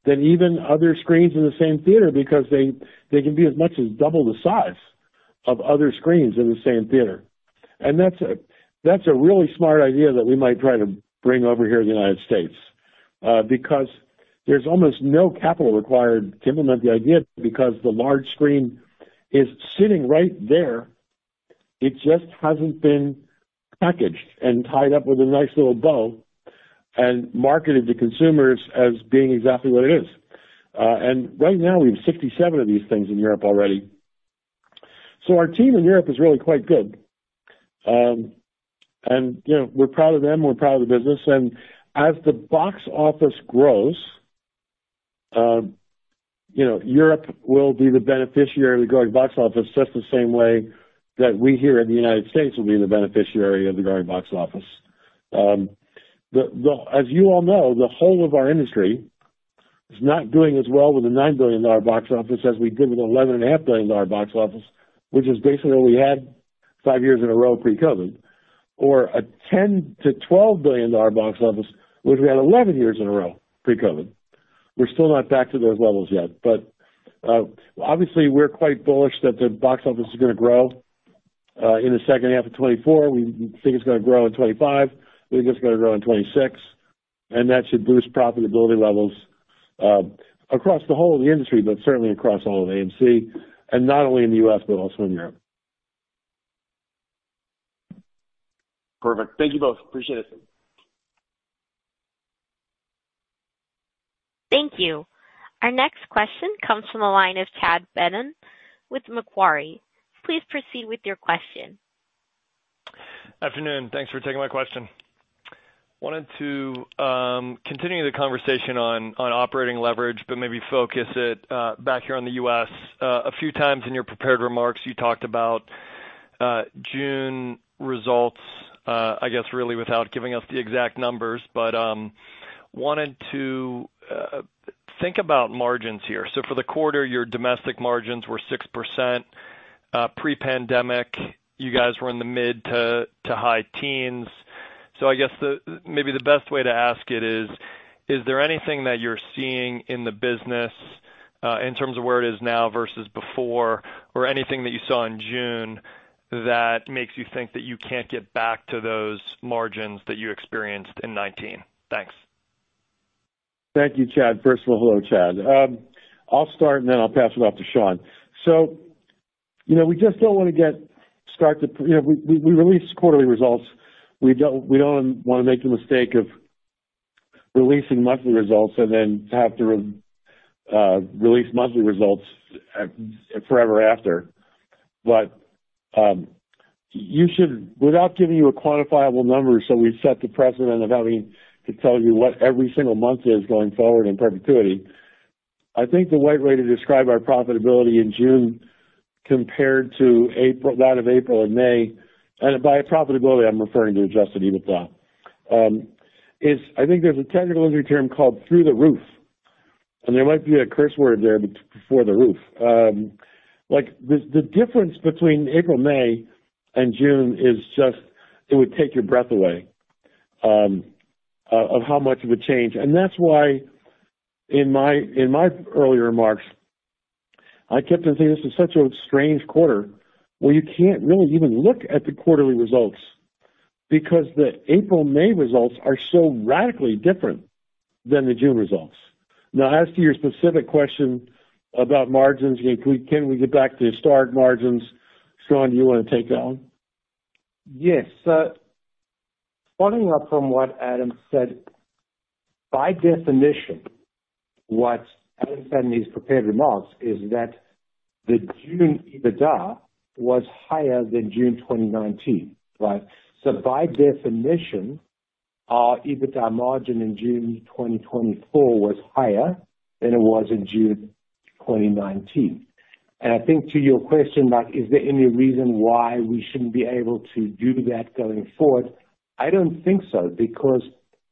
C: than even other screens in the same theater because they can be as much as double the size of other screens in the same theater. That's a really smart idea that we might try to bring over here to the United States because there's almost no capital required to implement the idea because the large screen is sitting right there. It just hasn't been packaged and tied up with a nice little bow and marketed to consumers as being exactly what it is. Right now, we have 67 of these things in Europe already. Our team in Europe is really quite good. We're proud of them. We're proud of the business. As the box office grows, Europe will be the beneficiary of the growing box office just the same way that we here in the United States will be the beneficiary of the growing box office. As you all know, the whole of our industry is not doing as well with a $9 billion box office as we did with an $11.5 billion box office, which is basically what we had five years in a row pre-COVID, or a $10 billion-$12 billion box office, which we had 11 years in a row pre-COVID. We're still not back to those levels yet. But obviously, we're quite bullish that the box office is going to grow in the second half of 2024. We think it's going to grow in 2025. We think it's going to grow in 2026. And that should boost profitability levels across the whole of the industry, but certainly across all of AMC, and not only in the U.S., but also in Europe. Perfect.
E: Thank you both. Appreciate it.
A: Thank you. Our next question comes from the line of Chad Beynon with Macquarie. Please proceed with your question.
F: Afternoon. Thanks for taking my question. Wanted to continue the conversation on operating leverage, but maybe focus it back here on the U.S. A few times in your prepared remarks, you talked about June results, I guess really without giving us the exact numbers, but wanted to think about margins here. So for the quarter, your domestic margins were 6%. Pre-pandemic, you guys were in the mid- to high teens. So I guess maybe the best way to ask it is, is there anything that you're seeing in the business in terms of where it is now versus before, or anything that you saw in June that makes you think that you can't get back to those margins that you experienced in 2019? Thanks.
C: Thank you, Chad. First of all, hello, Chad. I'll start, and then I'll pass it off to Sean. So we just don't want to get started before we release quarterly results. We don't want to make the mistake of releasing monthly results and then have to release monthly results forever after. But without giving you a quantifiable number, so we've set the precedent of having to tell you what every single month is going forward in perpetuity, I think the right way to describe our profitability in June compared to that of April and May, and by profitability, I'm referring to Adjusted EBITDA, is I think there's a technical term called through the roof. And there might be a curse word there, but before the roof. The difference between April, May, and June is just it would take your breath away of how much of a change. And that's why in my earlier remarks, I kept on saying this is such a strange quarter. Well, you can't really even look at the quarterly results because the April, May results are so radically different than the June results. Now, as to your specific question about margins, can we get back to EBITDA margins? Sean, do you want to take that one?
D: Yes. Following up from what Adam said, by definition, what Adam said in these prepared remarks is that the June EBITDA was higher than June 2019. Right? So by definition, our EBITDA margin in June 2024 was higher than it was in June 2019. And I think to your question, is there any reason why we shouldn't be able to do that going forward? I don't think so because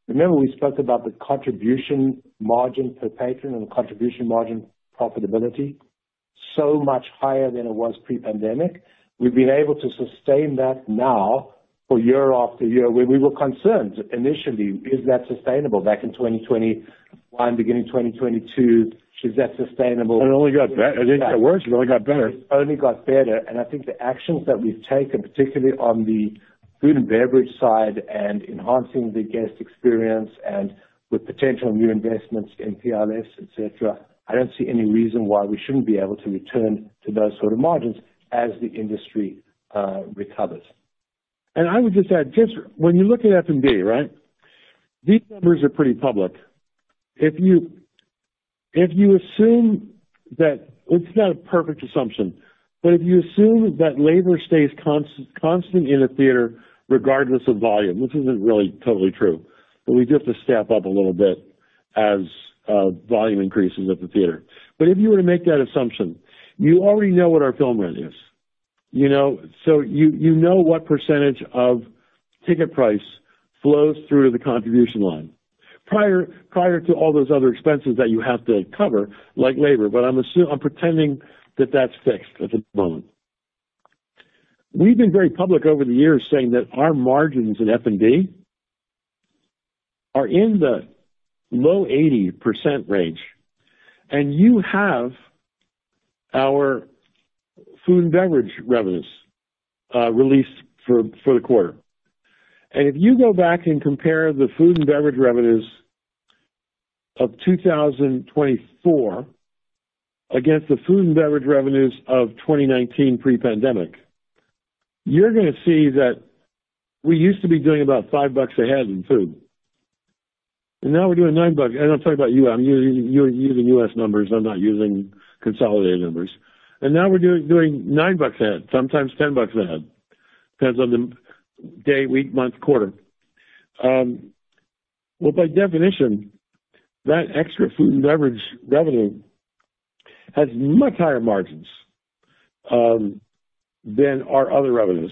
D: remember we spoke about the contribution margin per patron and contribution margin profitability so much higher than it was pre-pandemic. We've been able to sustain that now for year after year. We were concerned initially: is that sustainable back in 2021, beginning 2022? Is that sustainable? It only got better. I think that word really got better. It only got better. And I think the actions that we've taken, particularly on the food and beverage side and enhancing the guest experience and with potential new investments in PLFs, etc., I don't see any reason why we shouldn't be able to return to those sort of margins as the industry recovers.
C: And I would just add, when you look at F&B, right, these numbers are pretty public. If you assume that it's not a perfect assumption, but if you assume that labor stays constant in a theater regardless of volume, this isn't really totally true, but we do have to step up a little bit as volume increases at the theater. But if you were to make that assumption, you already know what our film rent is. So you know what percentage of ticket price flows through the contribution line prior to all those other expenses that you have to cover, like labor. But I'm pretending that that's fixed at the moment. We've been very public over the years saying that our margins in F&B are in the low 80% range. And you have our food and beverage revenues released for the quarter. And if you go back and compare the food and beverage revenues of 2024 against the food and beverage revenues of 2019 pre-pandemic, you're going to see that we used to be doing about $5 a head in food. And now we're doing $9. And I'm talking about you. I'm using U.S. numbers. I'm not using consolidated numbers. Now we're doing $9 a head, sometimes $10 a head. Depends on the day, week, month, quarter. Well, by definition, that extra food and beverage revenue has much higher margins than our other revenues.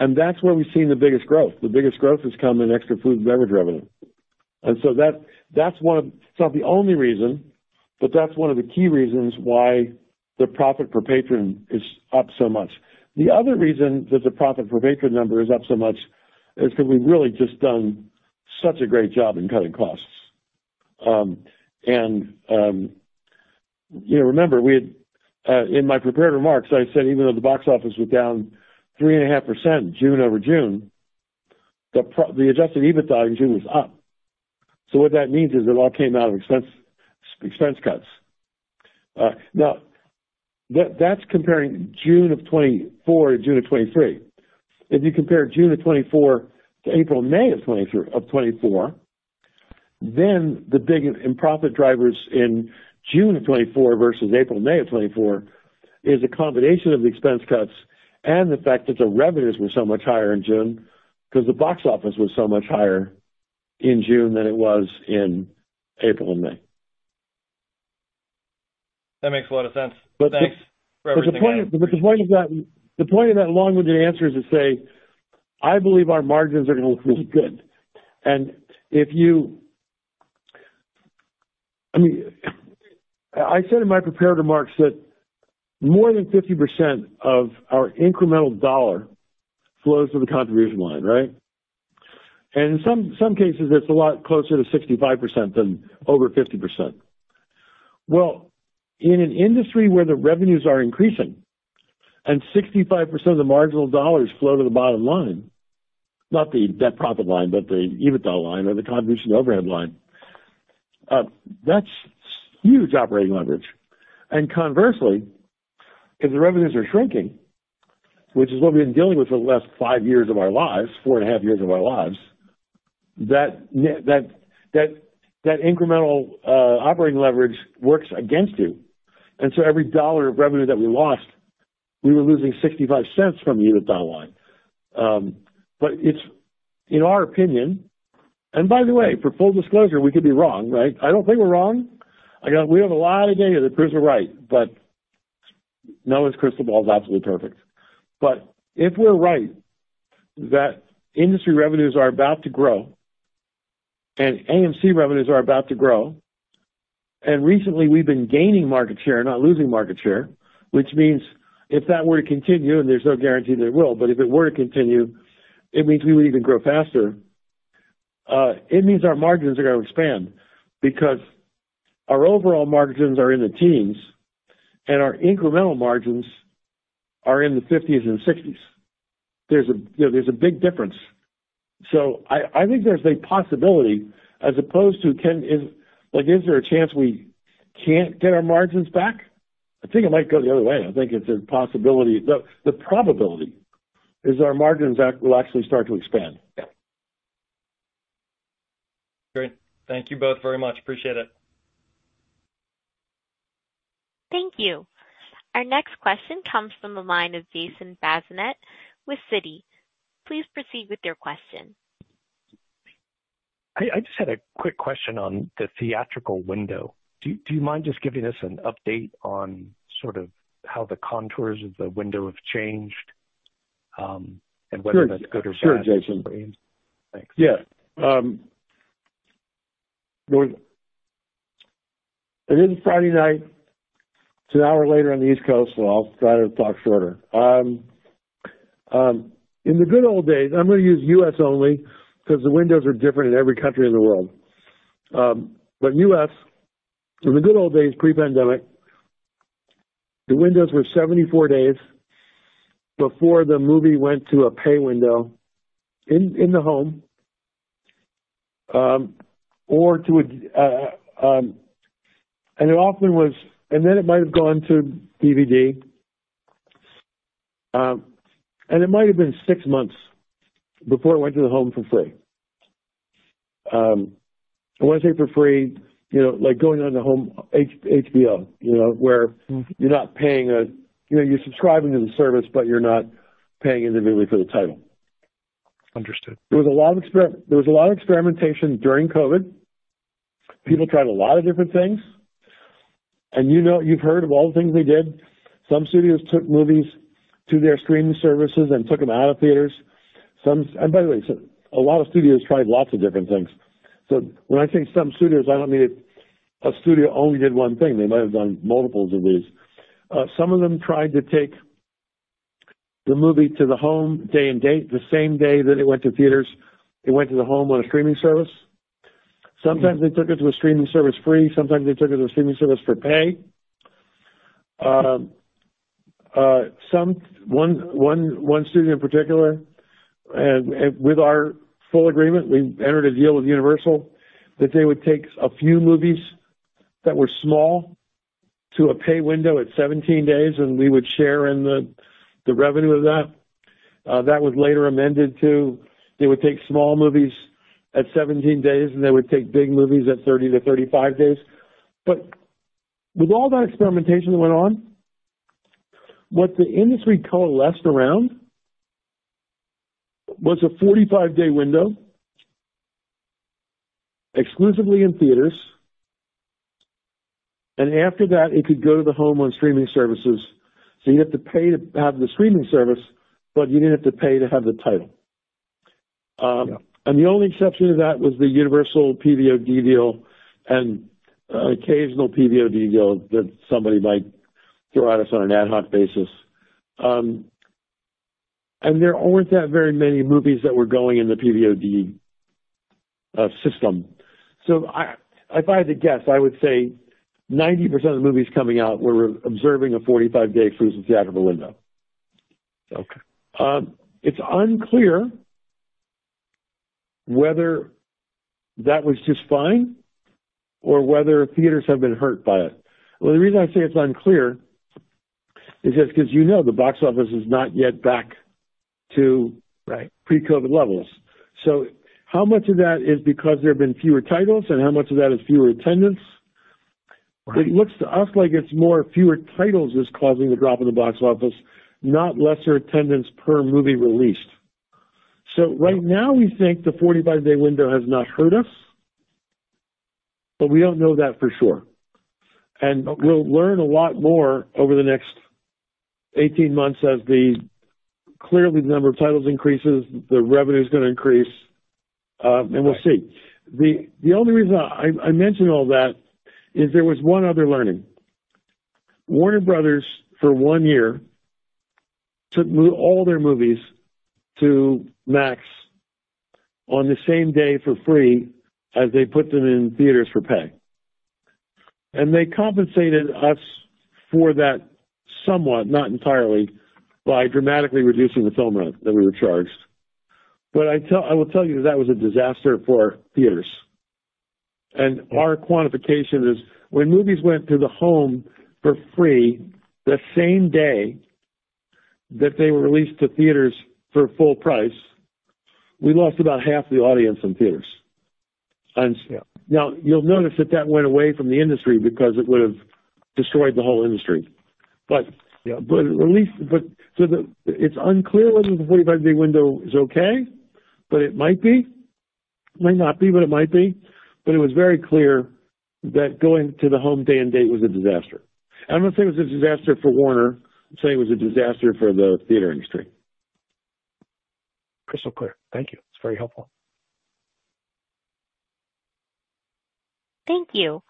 C: That's where we've seen the biggest growth. The biggest growth has come in extra food and beverage revenue. So that's one of, it's not the only reason, but that's one of the key reasons why the profit per patron is up so much. The other reason that the profit per patron number is up so much is because we've really just done such a great job in cutting costs. Remember, in my prepared remarks, I said even though the box office was down 3.5% June-over-June, the Adjusted EBITDA in June was up. So what that means is it all came out of expense cuts. Now, that's comparing June 2024 to June 2023. If you compare June 2024 to April, May 2024, then the big profit drivers in June 2024 versus April, May 2024 is a combination of the expense cuts and the fact that the revenues were so much higher in June because the box office was so much higher in June than it was in April and May.
F: That makes a lot of sense.
C: But the point of that, the point of that long-winded answer is to say, I believe our margins are going to look really good. And I mean, I said in my prepared remarks that more than 50% of our incremental dollar flows to the contribution line, right? And in some cases, it's a lot closer to 65% than over 50%. Well, in an industry where the revenues are increasing and 65% of the marginal dollars flow to the bottom line, not the net profit line, but the EBITDA line or the contribution overhead line, that's huge operating leverage. And conversely, if the revenues are shrinking, which is what we've been dealing with for the last five years of our lives, four and a half years of our lives, that incremental operating leverage works against you. And so every $1 of revenue that we lost, we were losing $0.65 from the EBITDA line. But in our opinion, and by the way, for full disclosure, we could be wrong, right? I don't think we're wrong. We have a lot of data that proves we're right, but no one's crystal ball is absolutely perfect. But if we're right that industry revenues are about to grow and AMC revenues are about to grow, and recently we've been gaining market share, not losing market share, which means if that were to continue, and there's no guarantee that it will, but if it were to continue, it means we would even grow faster. It means our margins are going to expand because our overall margins are in the teens and our incremental margins are in the 50s and 60s. There's a big difference. So I think there's a possibility as opposed to, is there a chance we can't get our margins back? I think it might go the other way. I think it's a possibility. The probability is our margins will actually start to expand.
F: Great. Thank you both very much. Appreciate it.
A: Thank you. Our next question comes from the line of Jason Bazinet with Citi. Please proceed with your question.
G: I just had a quick question on the theatrical window. Do you mind just giving us an update on sort of how the contours of the window have changed and whether that's good or bad?
C: Sure, Jason.
G: Thanks.
C: Yeah. It is Friday night. It's an hour later on the East Coast, so I'll try to talk shorter. In the good old days, I'm going to use U.S. only because the windows are different in every country in the world. But U.S., in the good old days pre-pandemic, the windows were 74 days before the movie went to a pay window in the home or to a, and it often was, and then it might have gone to DVD. And it might have been six months before it went to the home for free. And when I say for free, like going on to HBO, where you're not paying—you're subscribing to the service, but you're not paying individually for the title. Understood. There was a lot of experimentation during COVID. People tried a lot of different things. And you've heard of all the things they did. Some studios took movies to their streaming services and took them out of theaters. And by the way, a lot of studios tried lots of different things. So when I say some studios, I don't mean a studio only did one thing. They might have done multiples of these. Some of them tried to take the movie to the home day and date, the same day that it went to theaters. It went to the home on a streaming service. Sometimes they took it to a streaming service free. Sometimes they took it to a streaming service for pay. One studio in particular, with our full agreement, we entered a deal with Universal that they would take a few movies that were small to a pay window at 17 days, and we would share in the revenue of that. That was later amended to they would take small movies at 17 days, and they would take big movies at 30-35 days. But with all that experimentation that went on, what the industry coalesced around was a 45-day window exclusively in theaters. And after that, it could go to the home on streaming services. So you'd have to pay to have the streaming service, but you didn't have to pay to have the title. The only exception to that was the Universal PVOD deal and occasional PVOD deal that somebody might throw at us on an ad hoc basis. There weren't that very many movies that were going in the PVOD system. If I had to guess, I would say 90% of the movies coming out, we were observing a 45-day freeze of theatrical window. It's unclear whether that was just fine or whether theaters have been hurt by it. Well, the reason I say it's unclear is because you know the box office is not yet back to pre-COVID levels. So how much of that is because there have been fewer titles and how much of that is fewer attendance? It looks to us like it's more fewer titles that's causing the drop in the box office, not lesser attendance per movie released. So right now, we think the 45-day window has not hurt us, but we don't know that for sure. And we'll learn a lot more over the next 18 months as clearly the number of titles increases, the revenue is going to increase, and we'll see. The only reason I mention all that is there was one other learning. Warner Bros., for one year, took all their movies to Max on the same day for free as they put them in theaters for pay. And they compensated us for that somewhat, not entirely, by dramatically reducing the film rent that we were charged. But I will tell you that that was a disaster for theaters. And our quantification is when movies went to the home for free the same day that they were released to theaters for full price, we lost about half the audience in theaters. Now, you'll notice that that went away from the industry because it would have destroyed the whole industry. But it's unclear whether the 45-day window is okay, but it might be. It might not be, but it might be. But it was very clear that going to the home day and date was a disaster. I'm not saying it was a disaster for Warner. I'm saying it was a disaster for the theater industry.
G: Crystal clear. Thank you. It's very helpful.
A: Thank you.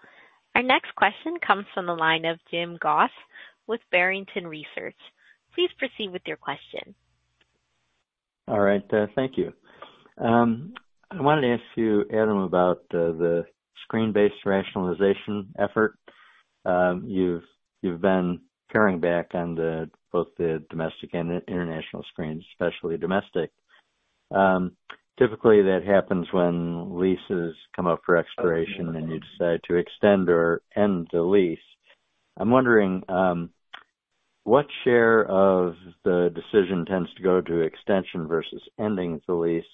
A: Our next question comes from the line of Jim Goss with Barrington Research. Please proceed with your question.
H: All right. Thank you. I wanted to ask you, Adam, about the screen-based rationalization effort. You've been carrying back on both the domestic and international screens, especially domestic. Typically, that happens when leases come up for expiration and you decide to extend or end the lease. I'm wondering what share of the decision tends to go to extension versus ending the lease?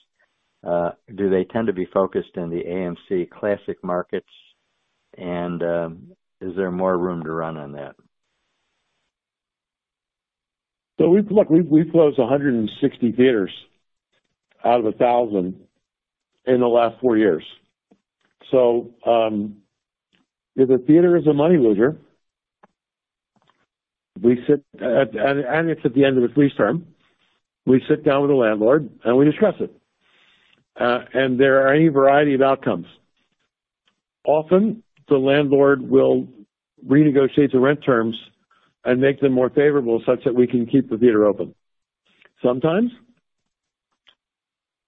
H: Do they tend to be focused in the AMC Classic markets, and is there more room to run on that?
C: Look, we've closed 160 theaters out of 1,000 in the last 4 years. So if a theater is a money loser, and it's at the end of its lease term, we sit down with the landlord and we discuss it. There are any variety of outcomes. Often, the landlord will renegotiate the rent terms and make them more favorable such that we can keep the theater open.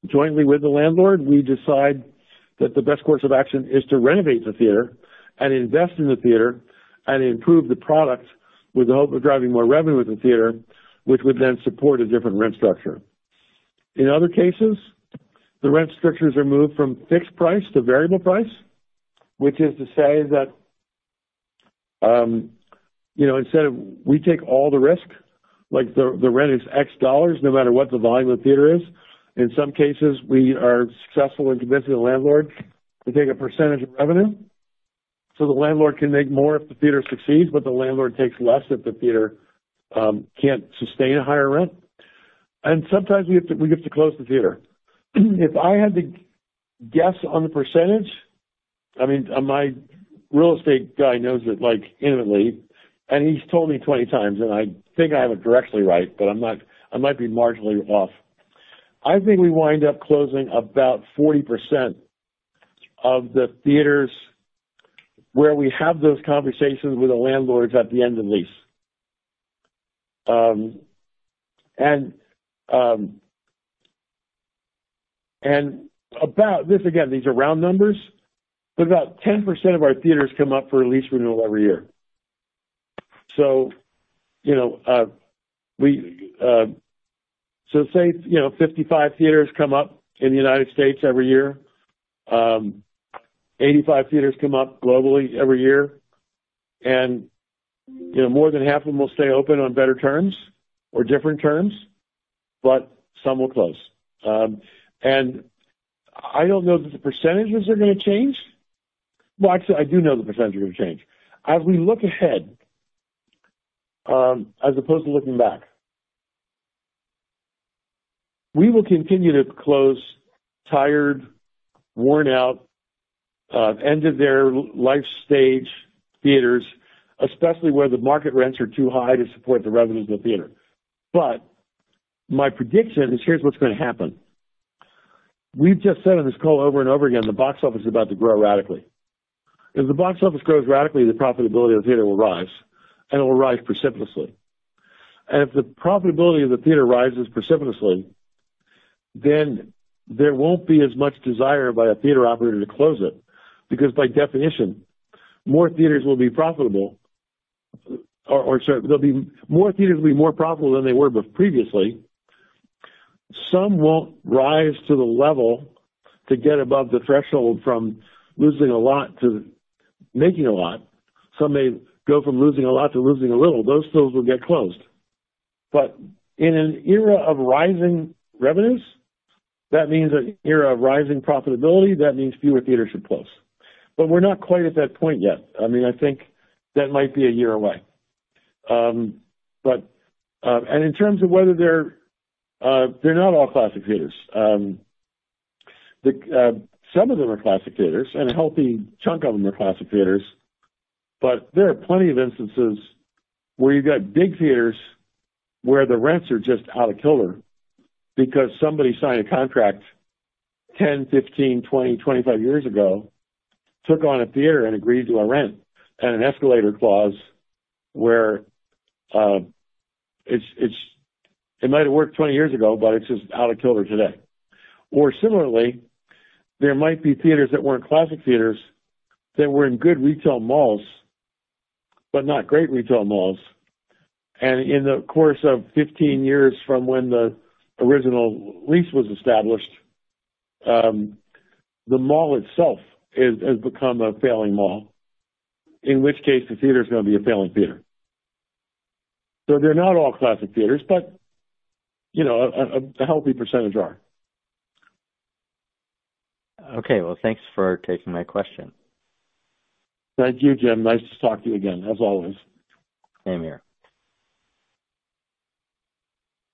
C: Sometimes, jointly with the landlord, we decide that the best course of action is to renovate the theater and invest in the theater and improve the product with the hope of driving more revenue with the theater, which would then support a different rent structure. In other cases, the rent structures are moved from fixed price to variable price, which is to say that instead of we take all the risk, like the rent is $X no matter what the volume of the theater is, in some cases, we are successful in convincing the landlord to take a percentage of revenue so the landlord can make more if the theater succeeds, but the landlord takes less if the theater can't sustain a higher rent. Sometimes we have to close the theater. If I had to guess on the percentage, I mean, my real estate guy knows it intimately, and he's told me 20 times, and I think I have it correctly right, but I might be marginally off. I think we wind up closing about 40% of the theaters where we have those conversations with the landlords at the end of the lease. About this, again, these are round numbers, but about 10% of our theaters come up for lease renewal every year. Say 55 theaters come up in the United States every year, 85 theaters come up globally every year, and more than half of them will stay open on better terms or different terms, but some will close. I don't know that the percentages are going to change. Well, actually, I do know the percentage are going to change. As we look ahead, as opposed to looking back, we will continue to close tired, worn-out, end-of-their-life-stage theaters, especially where the market rents are too high to support the revenues of the theater. My prediction is here's what's going to happen. We've just said on this call over and over again, the box office is about to grow radically. If the box office grows radically, the profitability of the theater will rise, and it will rise precipitously. And if the profitability of the theater rises precipitously, then there won't be as much desire by a theater operator to close it because by definition, more theaters will be profitable, or sorry, more theaters will be more profitable than they were previously. Some won't rise to the level to get above the threshold from losing a lot to making a lot. Some may go from losing a lot to losing a little. Those stores will get closed. But in an era of rising revenues, that means an era of rising profitability. That means fewer theaters should close. But we're not quite at that point yet. I mean, I think that might be a year away. In terms of whether they're not all Classic theaters, some of them are Classic theaters, and a healthy chunk of them are Classic theaters. But there are plenty of instances where you've got big theaters where the rents are just out of kilter because somebody signed a contract 10, 15, 20, 25 years ago, took on a theater and agreed to a rent and an escalator clause where it might have worked 20 years ago, but it's just out of kilter today. Or similarly, there might be theaters that weren't Classic theaters that were in good retail malls, but not great retail malls. And in the course of 15 years from when the original lease was established, the mall itself has become a failing mall, in which case the theater is going to be a failing theater. So they're not all Classic theaters, but a healthy percentage are. Okay.
H: Well, thanks for taking my question.
C: Thank you, Jim. Nice to talk to you again, as always.
H: Same here.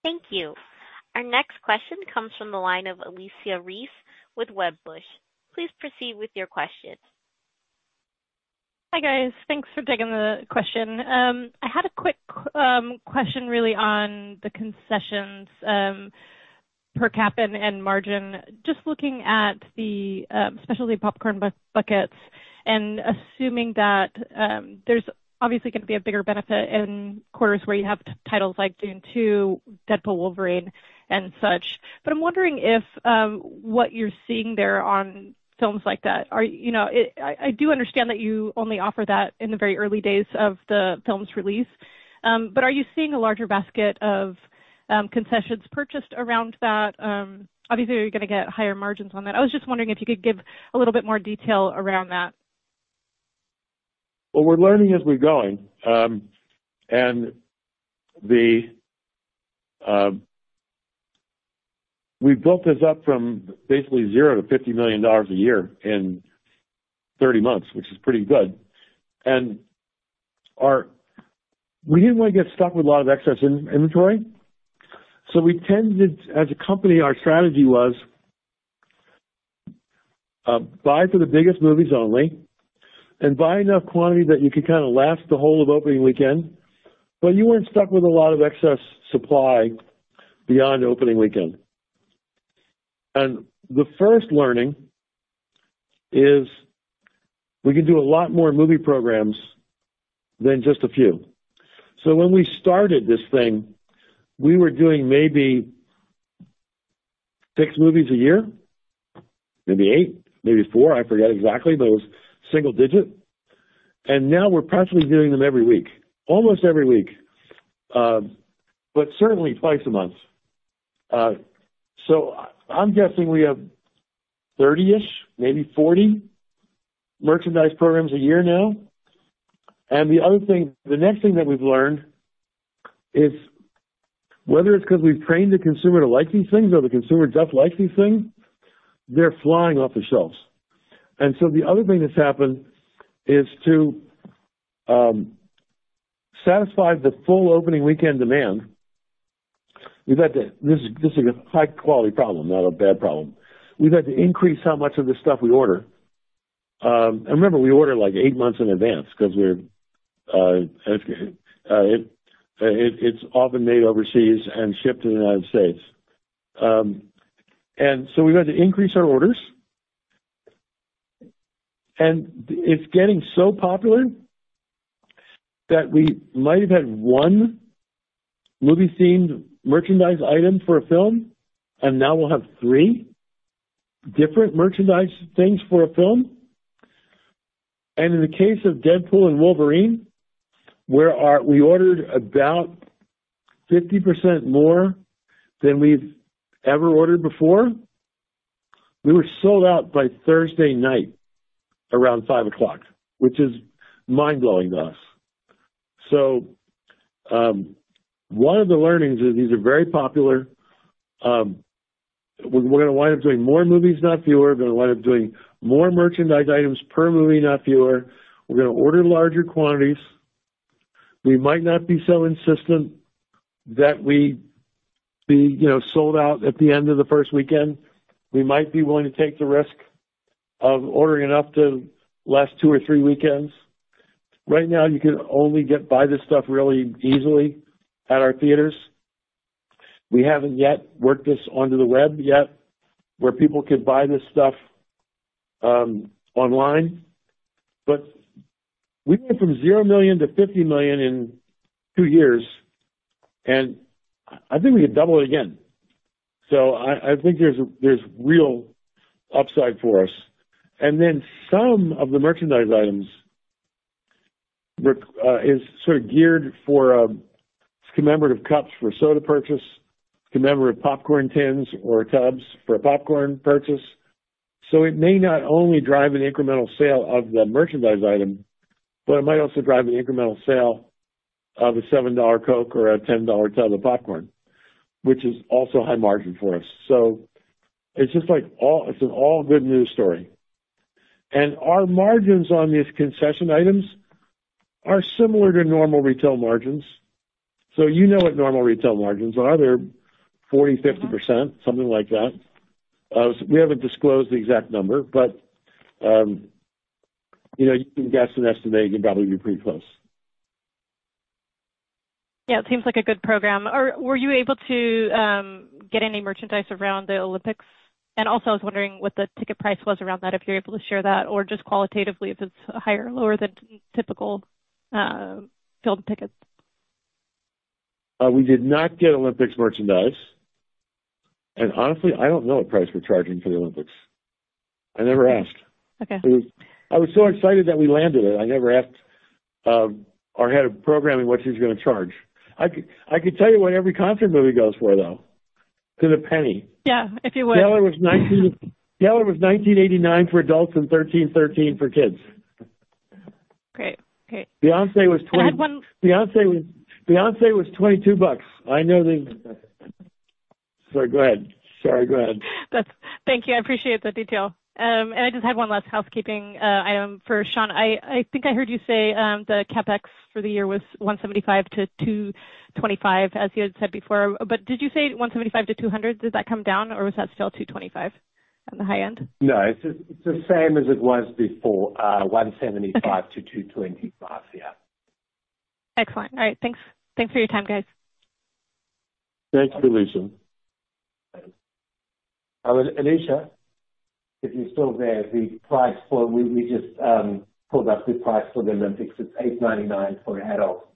A: Thank you. Our next question comes from the line of Alicia Reese with Wedbush. Please proceed with your question.
I: Hi, guys. Thanks for taking the question. I had a quick question really on the concessions per capita and margin. Just looking at the specialty popcorn buckets and assuming that there's obviously going to be a bigger benefit in quarters where you have titles like Dune 2, Deadpool & Wolverine, and such. But I'm wondering if what you're seeing there on films like that. I do understand that you only offer that in the very early days of the film's release. But are you seeing a larger basket of concessions purchased around that? Obviously, you're going to get higher margins on that. I was just wondering if you could give a little bit more detail around that.
C: Well, we're learning as we're going. We built this up from basically 0 to $50 million a year in 30 months, which is pretty good. We didn't want to get stuck with a lot of excess inventory. We tended, as a company, our strategy was to buy for the biggest movies only and buy enough quantity that you could kind of last the whole of opening weekend. You weren't stuck with a lot of excess supply beyond opening weekend. The first learning is we can do a lot more movie programs than just a few. When we started this thing, we were doing maybe six movies a year, maybe eight, maybe four. I forget exactly, but it was single digit. Now we're practically doing them every week, almost every week, but certainly twice a month. So I'm guessing we have 30-ish, maybe 40 merchandise programs a year now. And the next thing that we've learned is whether it's because we've trained the consumer to like these things or the consumer does like these things, they're flying off the shelves. And so the other thing that's happened is to satisfy the full opening weekend demand. This is a high-quality problem, not a bad problem. We've had to increase how much of the stuff we order. And remember, we order like eight months in advance because it's often made overseas and shipped to the United States. And so we've had to increase our orders. It's getting so popular that we might have had one movie-themed merchandise item for a film, and now we'll have three different merchandise things for a film. In the case of Deadpool & Wolverine, where we ordered about 50% more than we've ever ordered before, we were sold out by Thursday night around 5:00 P.M., which is mind-blowing to us. One of the learnings is these are very popular. We're going to wind up doing more movies, not fewer. We're going to wind up doing more merchandise items per movie, not fewer. We're going to order larger quantities. We might not be so insistent that we be sold out at the end of the first weekend. We might be willing to take the risk of ordering enough to last two or three weekends. Right now, you can only get this stuff really easily at our theaters. We haven't yet worked this onto the web yet where people could buy this stuff online. But we went from $0 million to $50 million in 2 years, and I think we could double it again. So I think there's real upside for us. And then some of the merchandise items are sort of geared for commemorative cups for soda purchase, commemorative popcorn tins or tubs for popcorn purchase. So it may not only drive an incremental sale of the merchandise item, but it might also drive an incremental sale of a $7 Coke or a $10 tub of popcorn, which is also high margin for us. So it's just like an all-good news story. And our margins on these concession items are similar to normal retail margins. So you know what normal retail margins are. They're 40%-50%, something like that. We haven't disclosed the exact number, but you can guess and estimate. You can probably be pretty close.
I: Yeah. It seems like a good program. Were you able to get any merchandise around the Olympics? And also, I was wondering what the ticket price was around that, if you're able to share that, or just qualitatively if it's higher or lower than typical film tickets.
C: We did not get Olympics merchandise. And honestly, I don't know what price we're charging for the Olympics. I never asked. I was so excited that we landed it. I never asked our head of programming what she's going to charge. I could tell you what every concert movie goes for, though, to the penny.
I: Yeah. If you would.
C: Taylor was $19.89 for adults and $13.13 for kids. Beyoncé was $22. I know they—sorry, go ahead. Sorry, go ahead.
I: Thank you. I appreciate the detail. I just had one last housekeeping item for Sean. I think I heard you say the CapEx for the year was $175 million-$225 million, as you had said before. But did you say $175 million-$200 million? Did that come down, or was that still $225 million on the high end?
D: No. It's the same as it was before, $175 million-$225 million, yeah.
I: Excellent. All right. Thanks for your time, guys.
D: Thanks for listening. Alicia, if you're still there, the price for—we just pulled up the price for the Olympics. It's $899 for adults,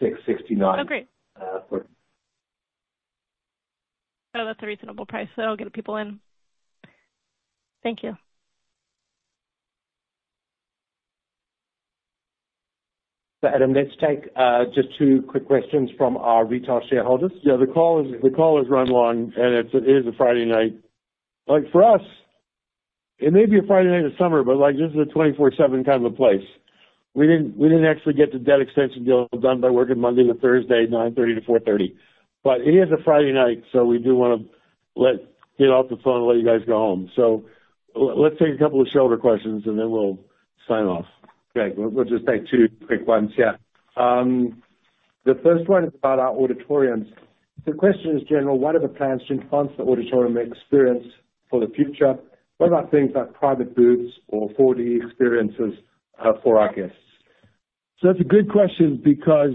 D: $669 for—
I: Oh, great. Oh, that's a reasonable price. That'll get people in. Thank you.
D: Adam, let's take just two quick questions from our retail shareholders.
C: Yeah. The call has run long, and it is a Friday night.
D: For us, it may be a Friday night in the summer, but this is a 24/7 kind of a place. We didn't actually get the debt extension deal done by working Monday to Thursday, 9:30 A.M. to 4:30 P.M. But it is a Friday night, so we do want to get off the phone and let you guys go home. So let's take a couple of shorter questions, and then we'll sign off. Okay. We'll just take two quick ones, yeah. The first one is about our auditoriums. The question is, "General, what are the plans to enhance the auditorium experience for the future? What about things like private booths or 4D experiences for our guests?"
C: So that's a good question because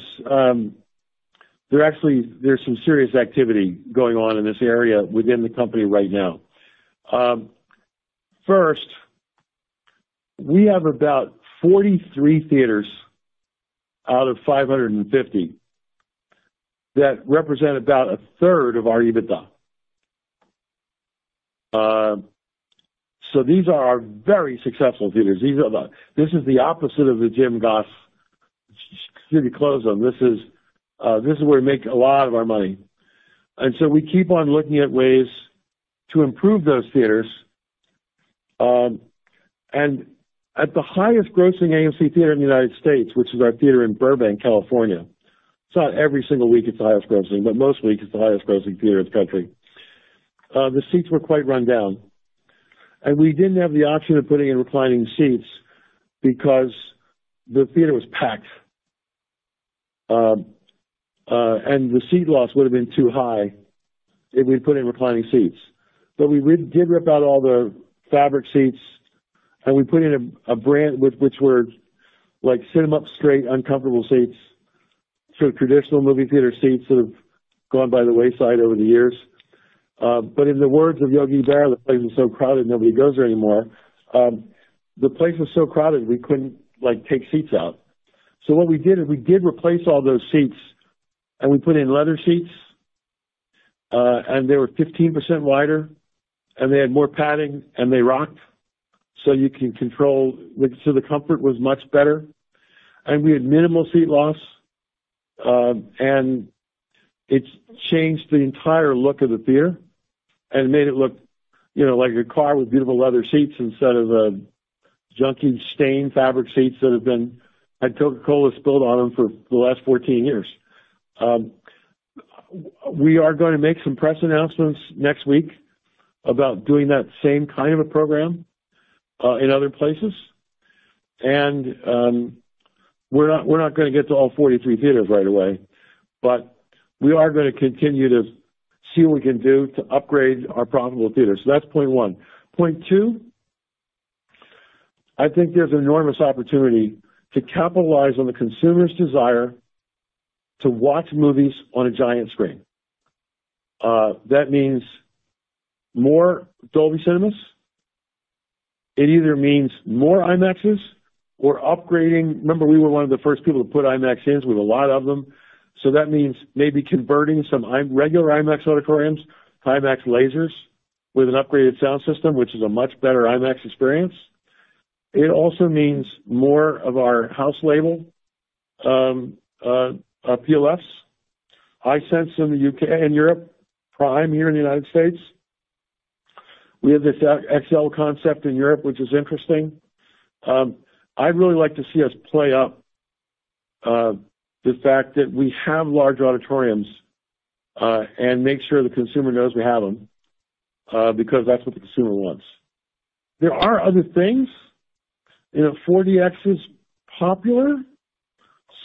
C: there's some serious activity going on in this area within the company right now. First, we have about 43 theaters out of 550 that represent about a third of our EBITDA. So these are our very successful theaters. This is the opposite of the Jim Goss, just to close on, this is where we make a lot of our money. And so we keep on looking at ways to improve those theaters. And at the highest-grossing AMC theater in the United States, which is our theater in Burbank, California, it's not every single week it's the highest-grossing, but most weeks it's the highest-grossing theater in the country. The seats were quite run down. And we didn't have the option of putting in reclining seats because the theater was packed. And the seat loss would have been too high if we'd put in reclining seats. We did rip out all the fabric seats, and we put in brand new, which were straight-back, uncomfortable seats, sort of traditional movie theater seats that have gone by the wayside over the years. But in the words of Yogi Berra, "The place is so crowded, nobody goes there anymore." The place was so crowded, we couldn't take seats out. What we did is we did replace all those seats, and we put in leather seats. They were 15% wider, and they had more padding, and they rocked. So the comfort was much better. We had minimal seat loss, and it changed the entire look of the theater. It made it look like a car with beautiful leather seats instead of junky stained fabric seats that had Coca-Cola spilled on them for the last 14 years. We are going to make some press announcements next week about doing that same kind of a program in other places. We're not going to get to all 43 theaters right away, but we are going to continue to see what we can do to upgrade our profitable theaters. That's point one. Point two, I think there's an enormous opportunity to capitalize on the consumer's desire to watch movies on a giant screen. That means more Dolby Cinemas. It either means more IMAXs or upgrading, remember, we were one of the first people to put IMAX in. We have a lot of them. That means maybe converting some regular IMAX auditoriums to IMAX lasers with an upgraded sound system, which is a much better IMAX experience. It also means more of our house label, PLFs, iSense in Europe, Prime here in the United States. We have this XL concept in Europe, which is interesting. I'd really like to see us play up the fact that we have large auditoriums and make sure the consumer knows we have them because that's what the consumer wants. There are other things. 4DX is popular.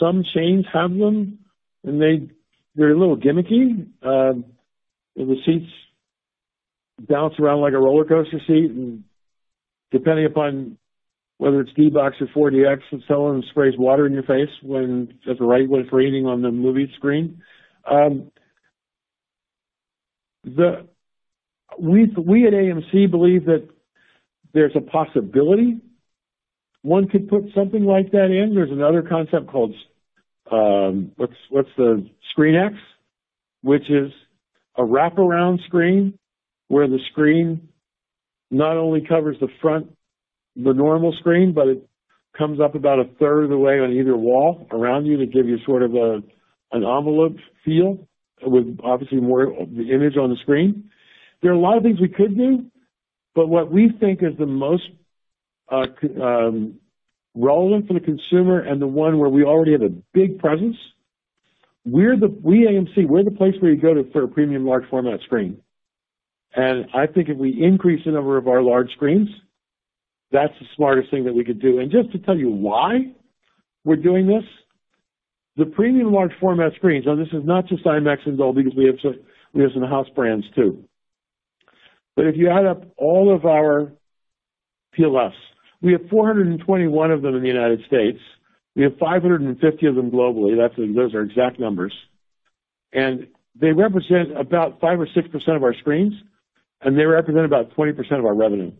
C: Some chains have them, and they're a little gimmicky. The seats bounce around like a roller coaster seat. And depending upon whether it's D-BOX or 4DX, it's telling them to spray water in your face when there's rain falling on the movie screen. We at AMC believe that there's a possibility one could put something like that in. There's another concept called—what's the ScreenX?—which is a wraparound screen where the screen not only covers the normal screen, but it comes up about a third of the way on either wall around you to give you sort of an envelope feel with, obviously, more of the image on the screen. There are a lot of things we could do, but what we think is the most relevant for the consumer and the one where we already have a big presence, we at AMC, we're the place where you go for a premium large-format screen. I think if we increase the number of our large screens, that's the smartest thing that we could do. Just to tell you why we're doing this, the premium large-format screens, now this is not just IMAX and Dolby because we have some house brands too, but if you add up all of our PLFs, we have 421 of them in the United States. We have 550 of them globally. Those are exact numbers. They represent about 5 or 6% of our screens, and they represent about 20% of our revenue.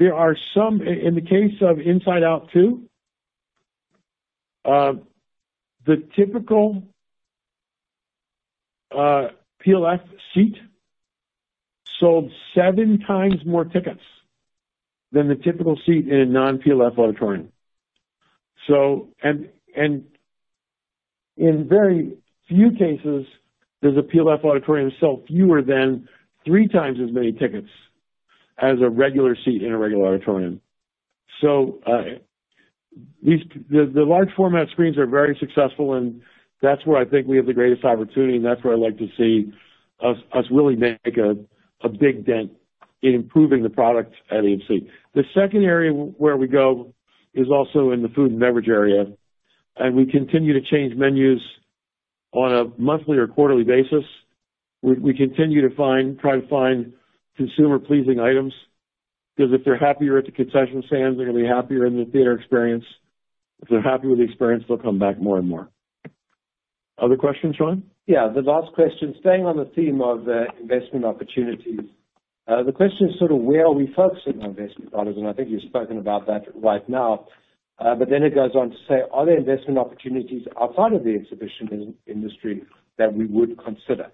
C: There are some, in the case of Inside Out 2, the typical PLF seat sold 7 times more tickets than the typical seat in a non-PLF auditorium. And in very few cases, does a PLF auditorium sell fewer than 3 times as many tickets as a regular seat in a regular auditorium? So the large-format screens are very successful, and that's where I think we have the greatest opportunity. And that's where I'd like to see us really make a big dent in improving the product at AMC. The second area where we go is also in the food and beverage area. And we continue to change menus on a monthly or quarterly basis. We continue to try to find consumer-pleasing items because if they're happier at the concession stands, they're going to be happier in the theater experience. If they're happy with the experience, they'll come back more and more. Other questions, Sean?
D: Yeah. The last question, staying on the theme of investment opportunities, the question is sort of where are we focusing our investment products? And I think you've spoken about that right now. But then it goes on to say, are there investment opportunities outside of the exhibition industry that we would consider?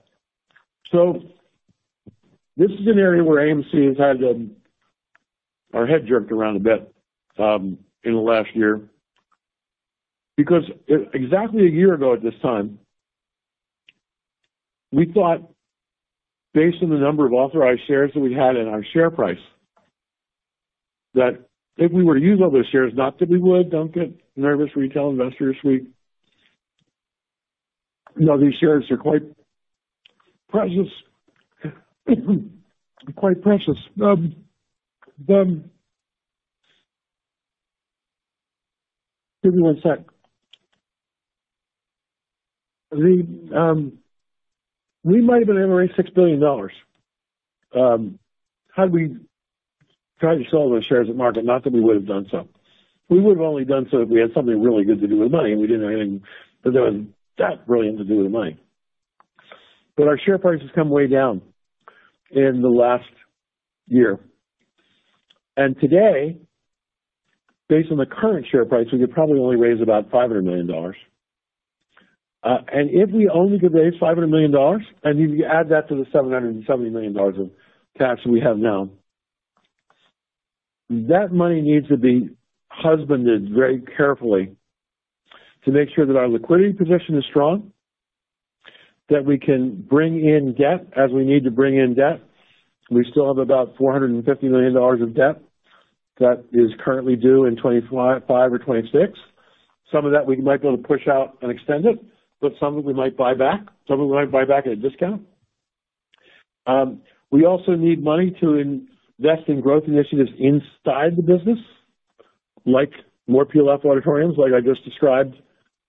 C: So this is an area where AMC has had our head jerked around a bit in the last year because exactly a year ago at this time, we thought, based on the number of authorized shares that we had in our share price, that if we were to use all those shares, not that we would, don't get nervous, retail investors. No, these shares are quite precious. Give me one sec. We might have been in our $6 billion. Had we tried to sell those shares at market, not that we would have done so. We would have only done so if we had something really good to do with money. We didn't have anything that was that brilliant to do with money. But our share price has come way down in the last year. And today, based on the current share price, we could probably only raise about $500 million. If we only could raise $500 million, and if you add that to the $770 million of cash we have now, that money needs to be husbanded very carefully to make sure that our liquidity position is strong, that we can bring in debt as we need to bring in debt. We still have about $450 million of debt that is currently due in 2025 or 2026. Some of that we might be able to push out and extend it, but some of it we might buy back. Some of it we might buy back at a discount. We also need money to invest in growth initiatives inside the business, like more PLF auditoriums, like I just described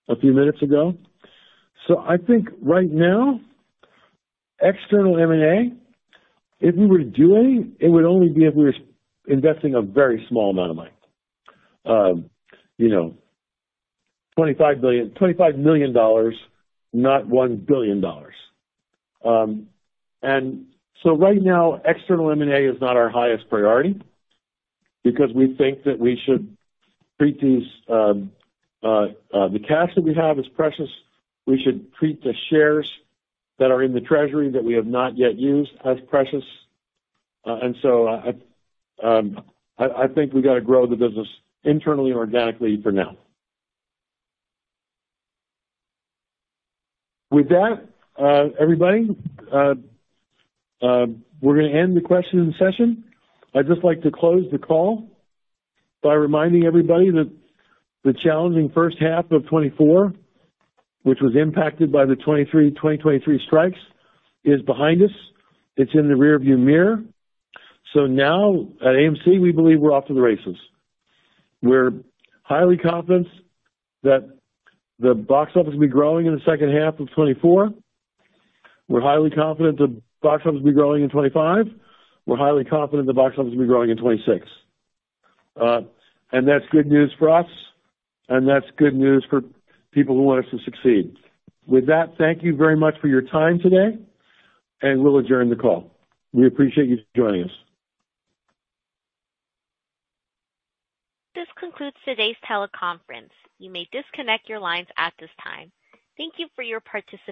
C: a few minutes ago. So I think right now, external M&A, if we were to do any, it would only be if we were investing a very small amount of money, $25 million, not $1 billion. And so right now, external M&A is not our highest priority because we think that we should treat these, the cash that we have is precious. We should treat the shares that are in the treasury that we have not yet used as precious. And so I think we got to grow the business internally and organically for now. With that, everybody, we're going to end the question and session. I'd just like to close the call by reminding everybody that the challenging first half of 2024, which was impacted by the 2023 strikes, is behind us. It's in the rearview mirror. So now, at AMC, we believe we're off to the races. We're highly confident that the box office will be growing in the second half of 2024. We're highly confident the box office will be growing in 2025. We're highly confident the box office will be growing in 2026. And that's good news for us, and that's good news for people who want us to succeed. With that, thank you very much for your time today, and we'll adjourn the call. We appreciate you joining us.
A: This concludes today's teleconference. You may disconnect your lines at this time. Thank you for your participation.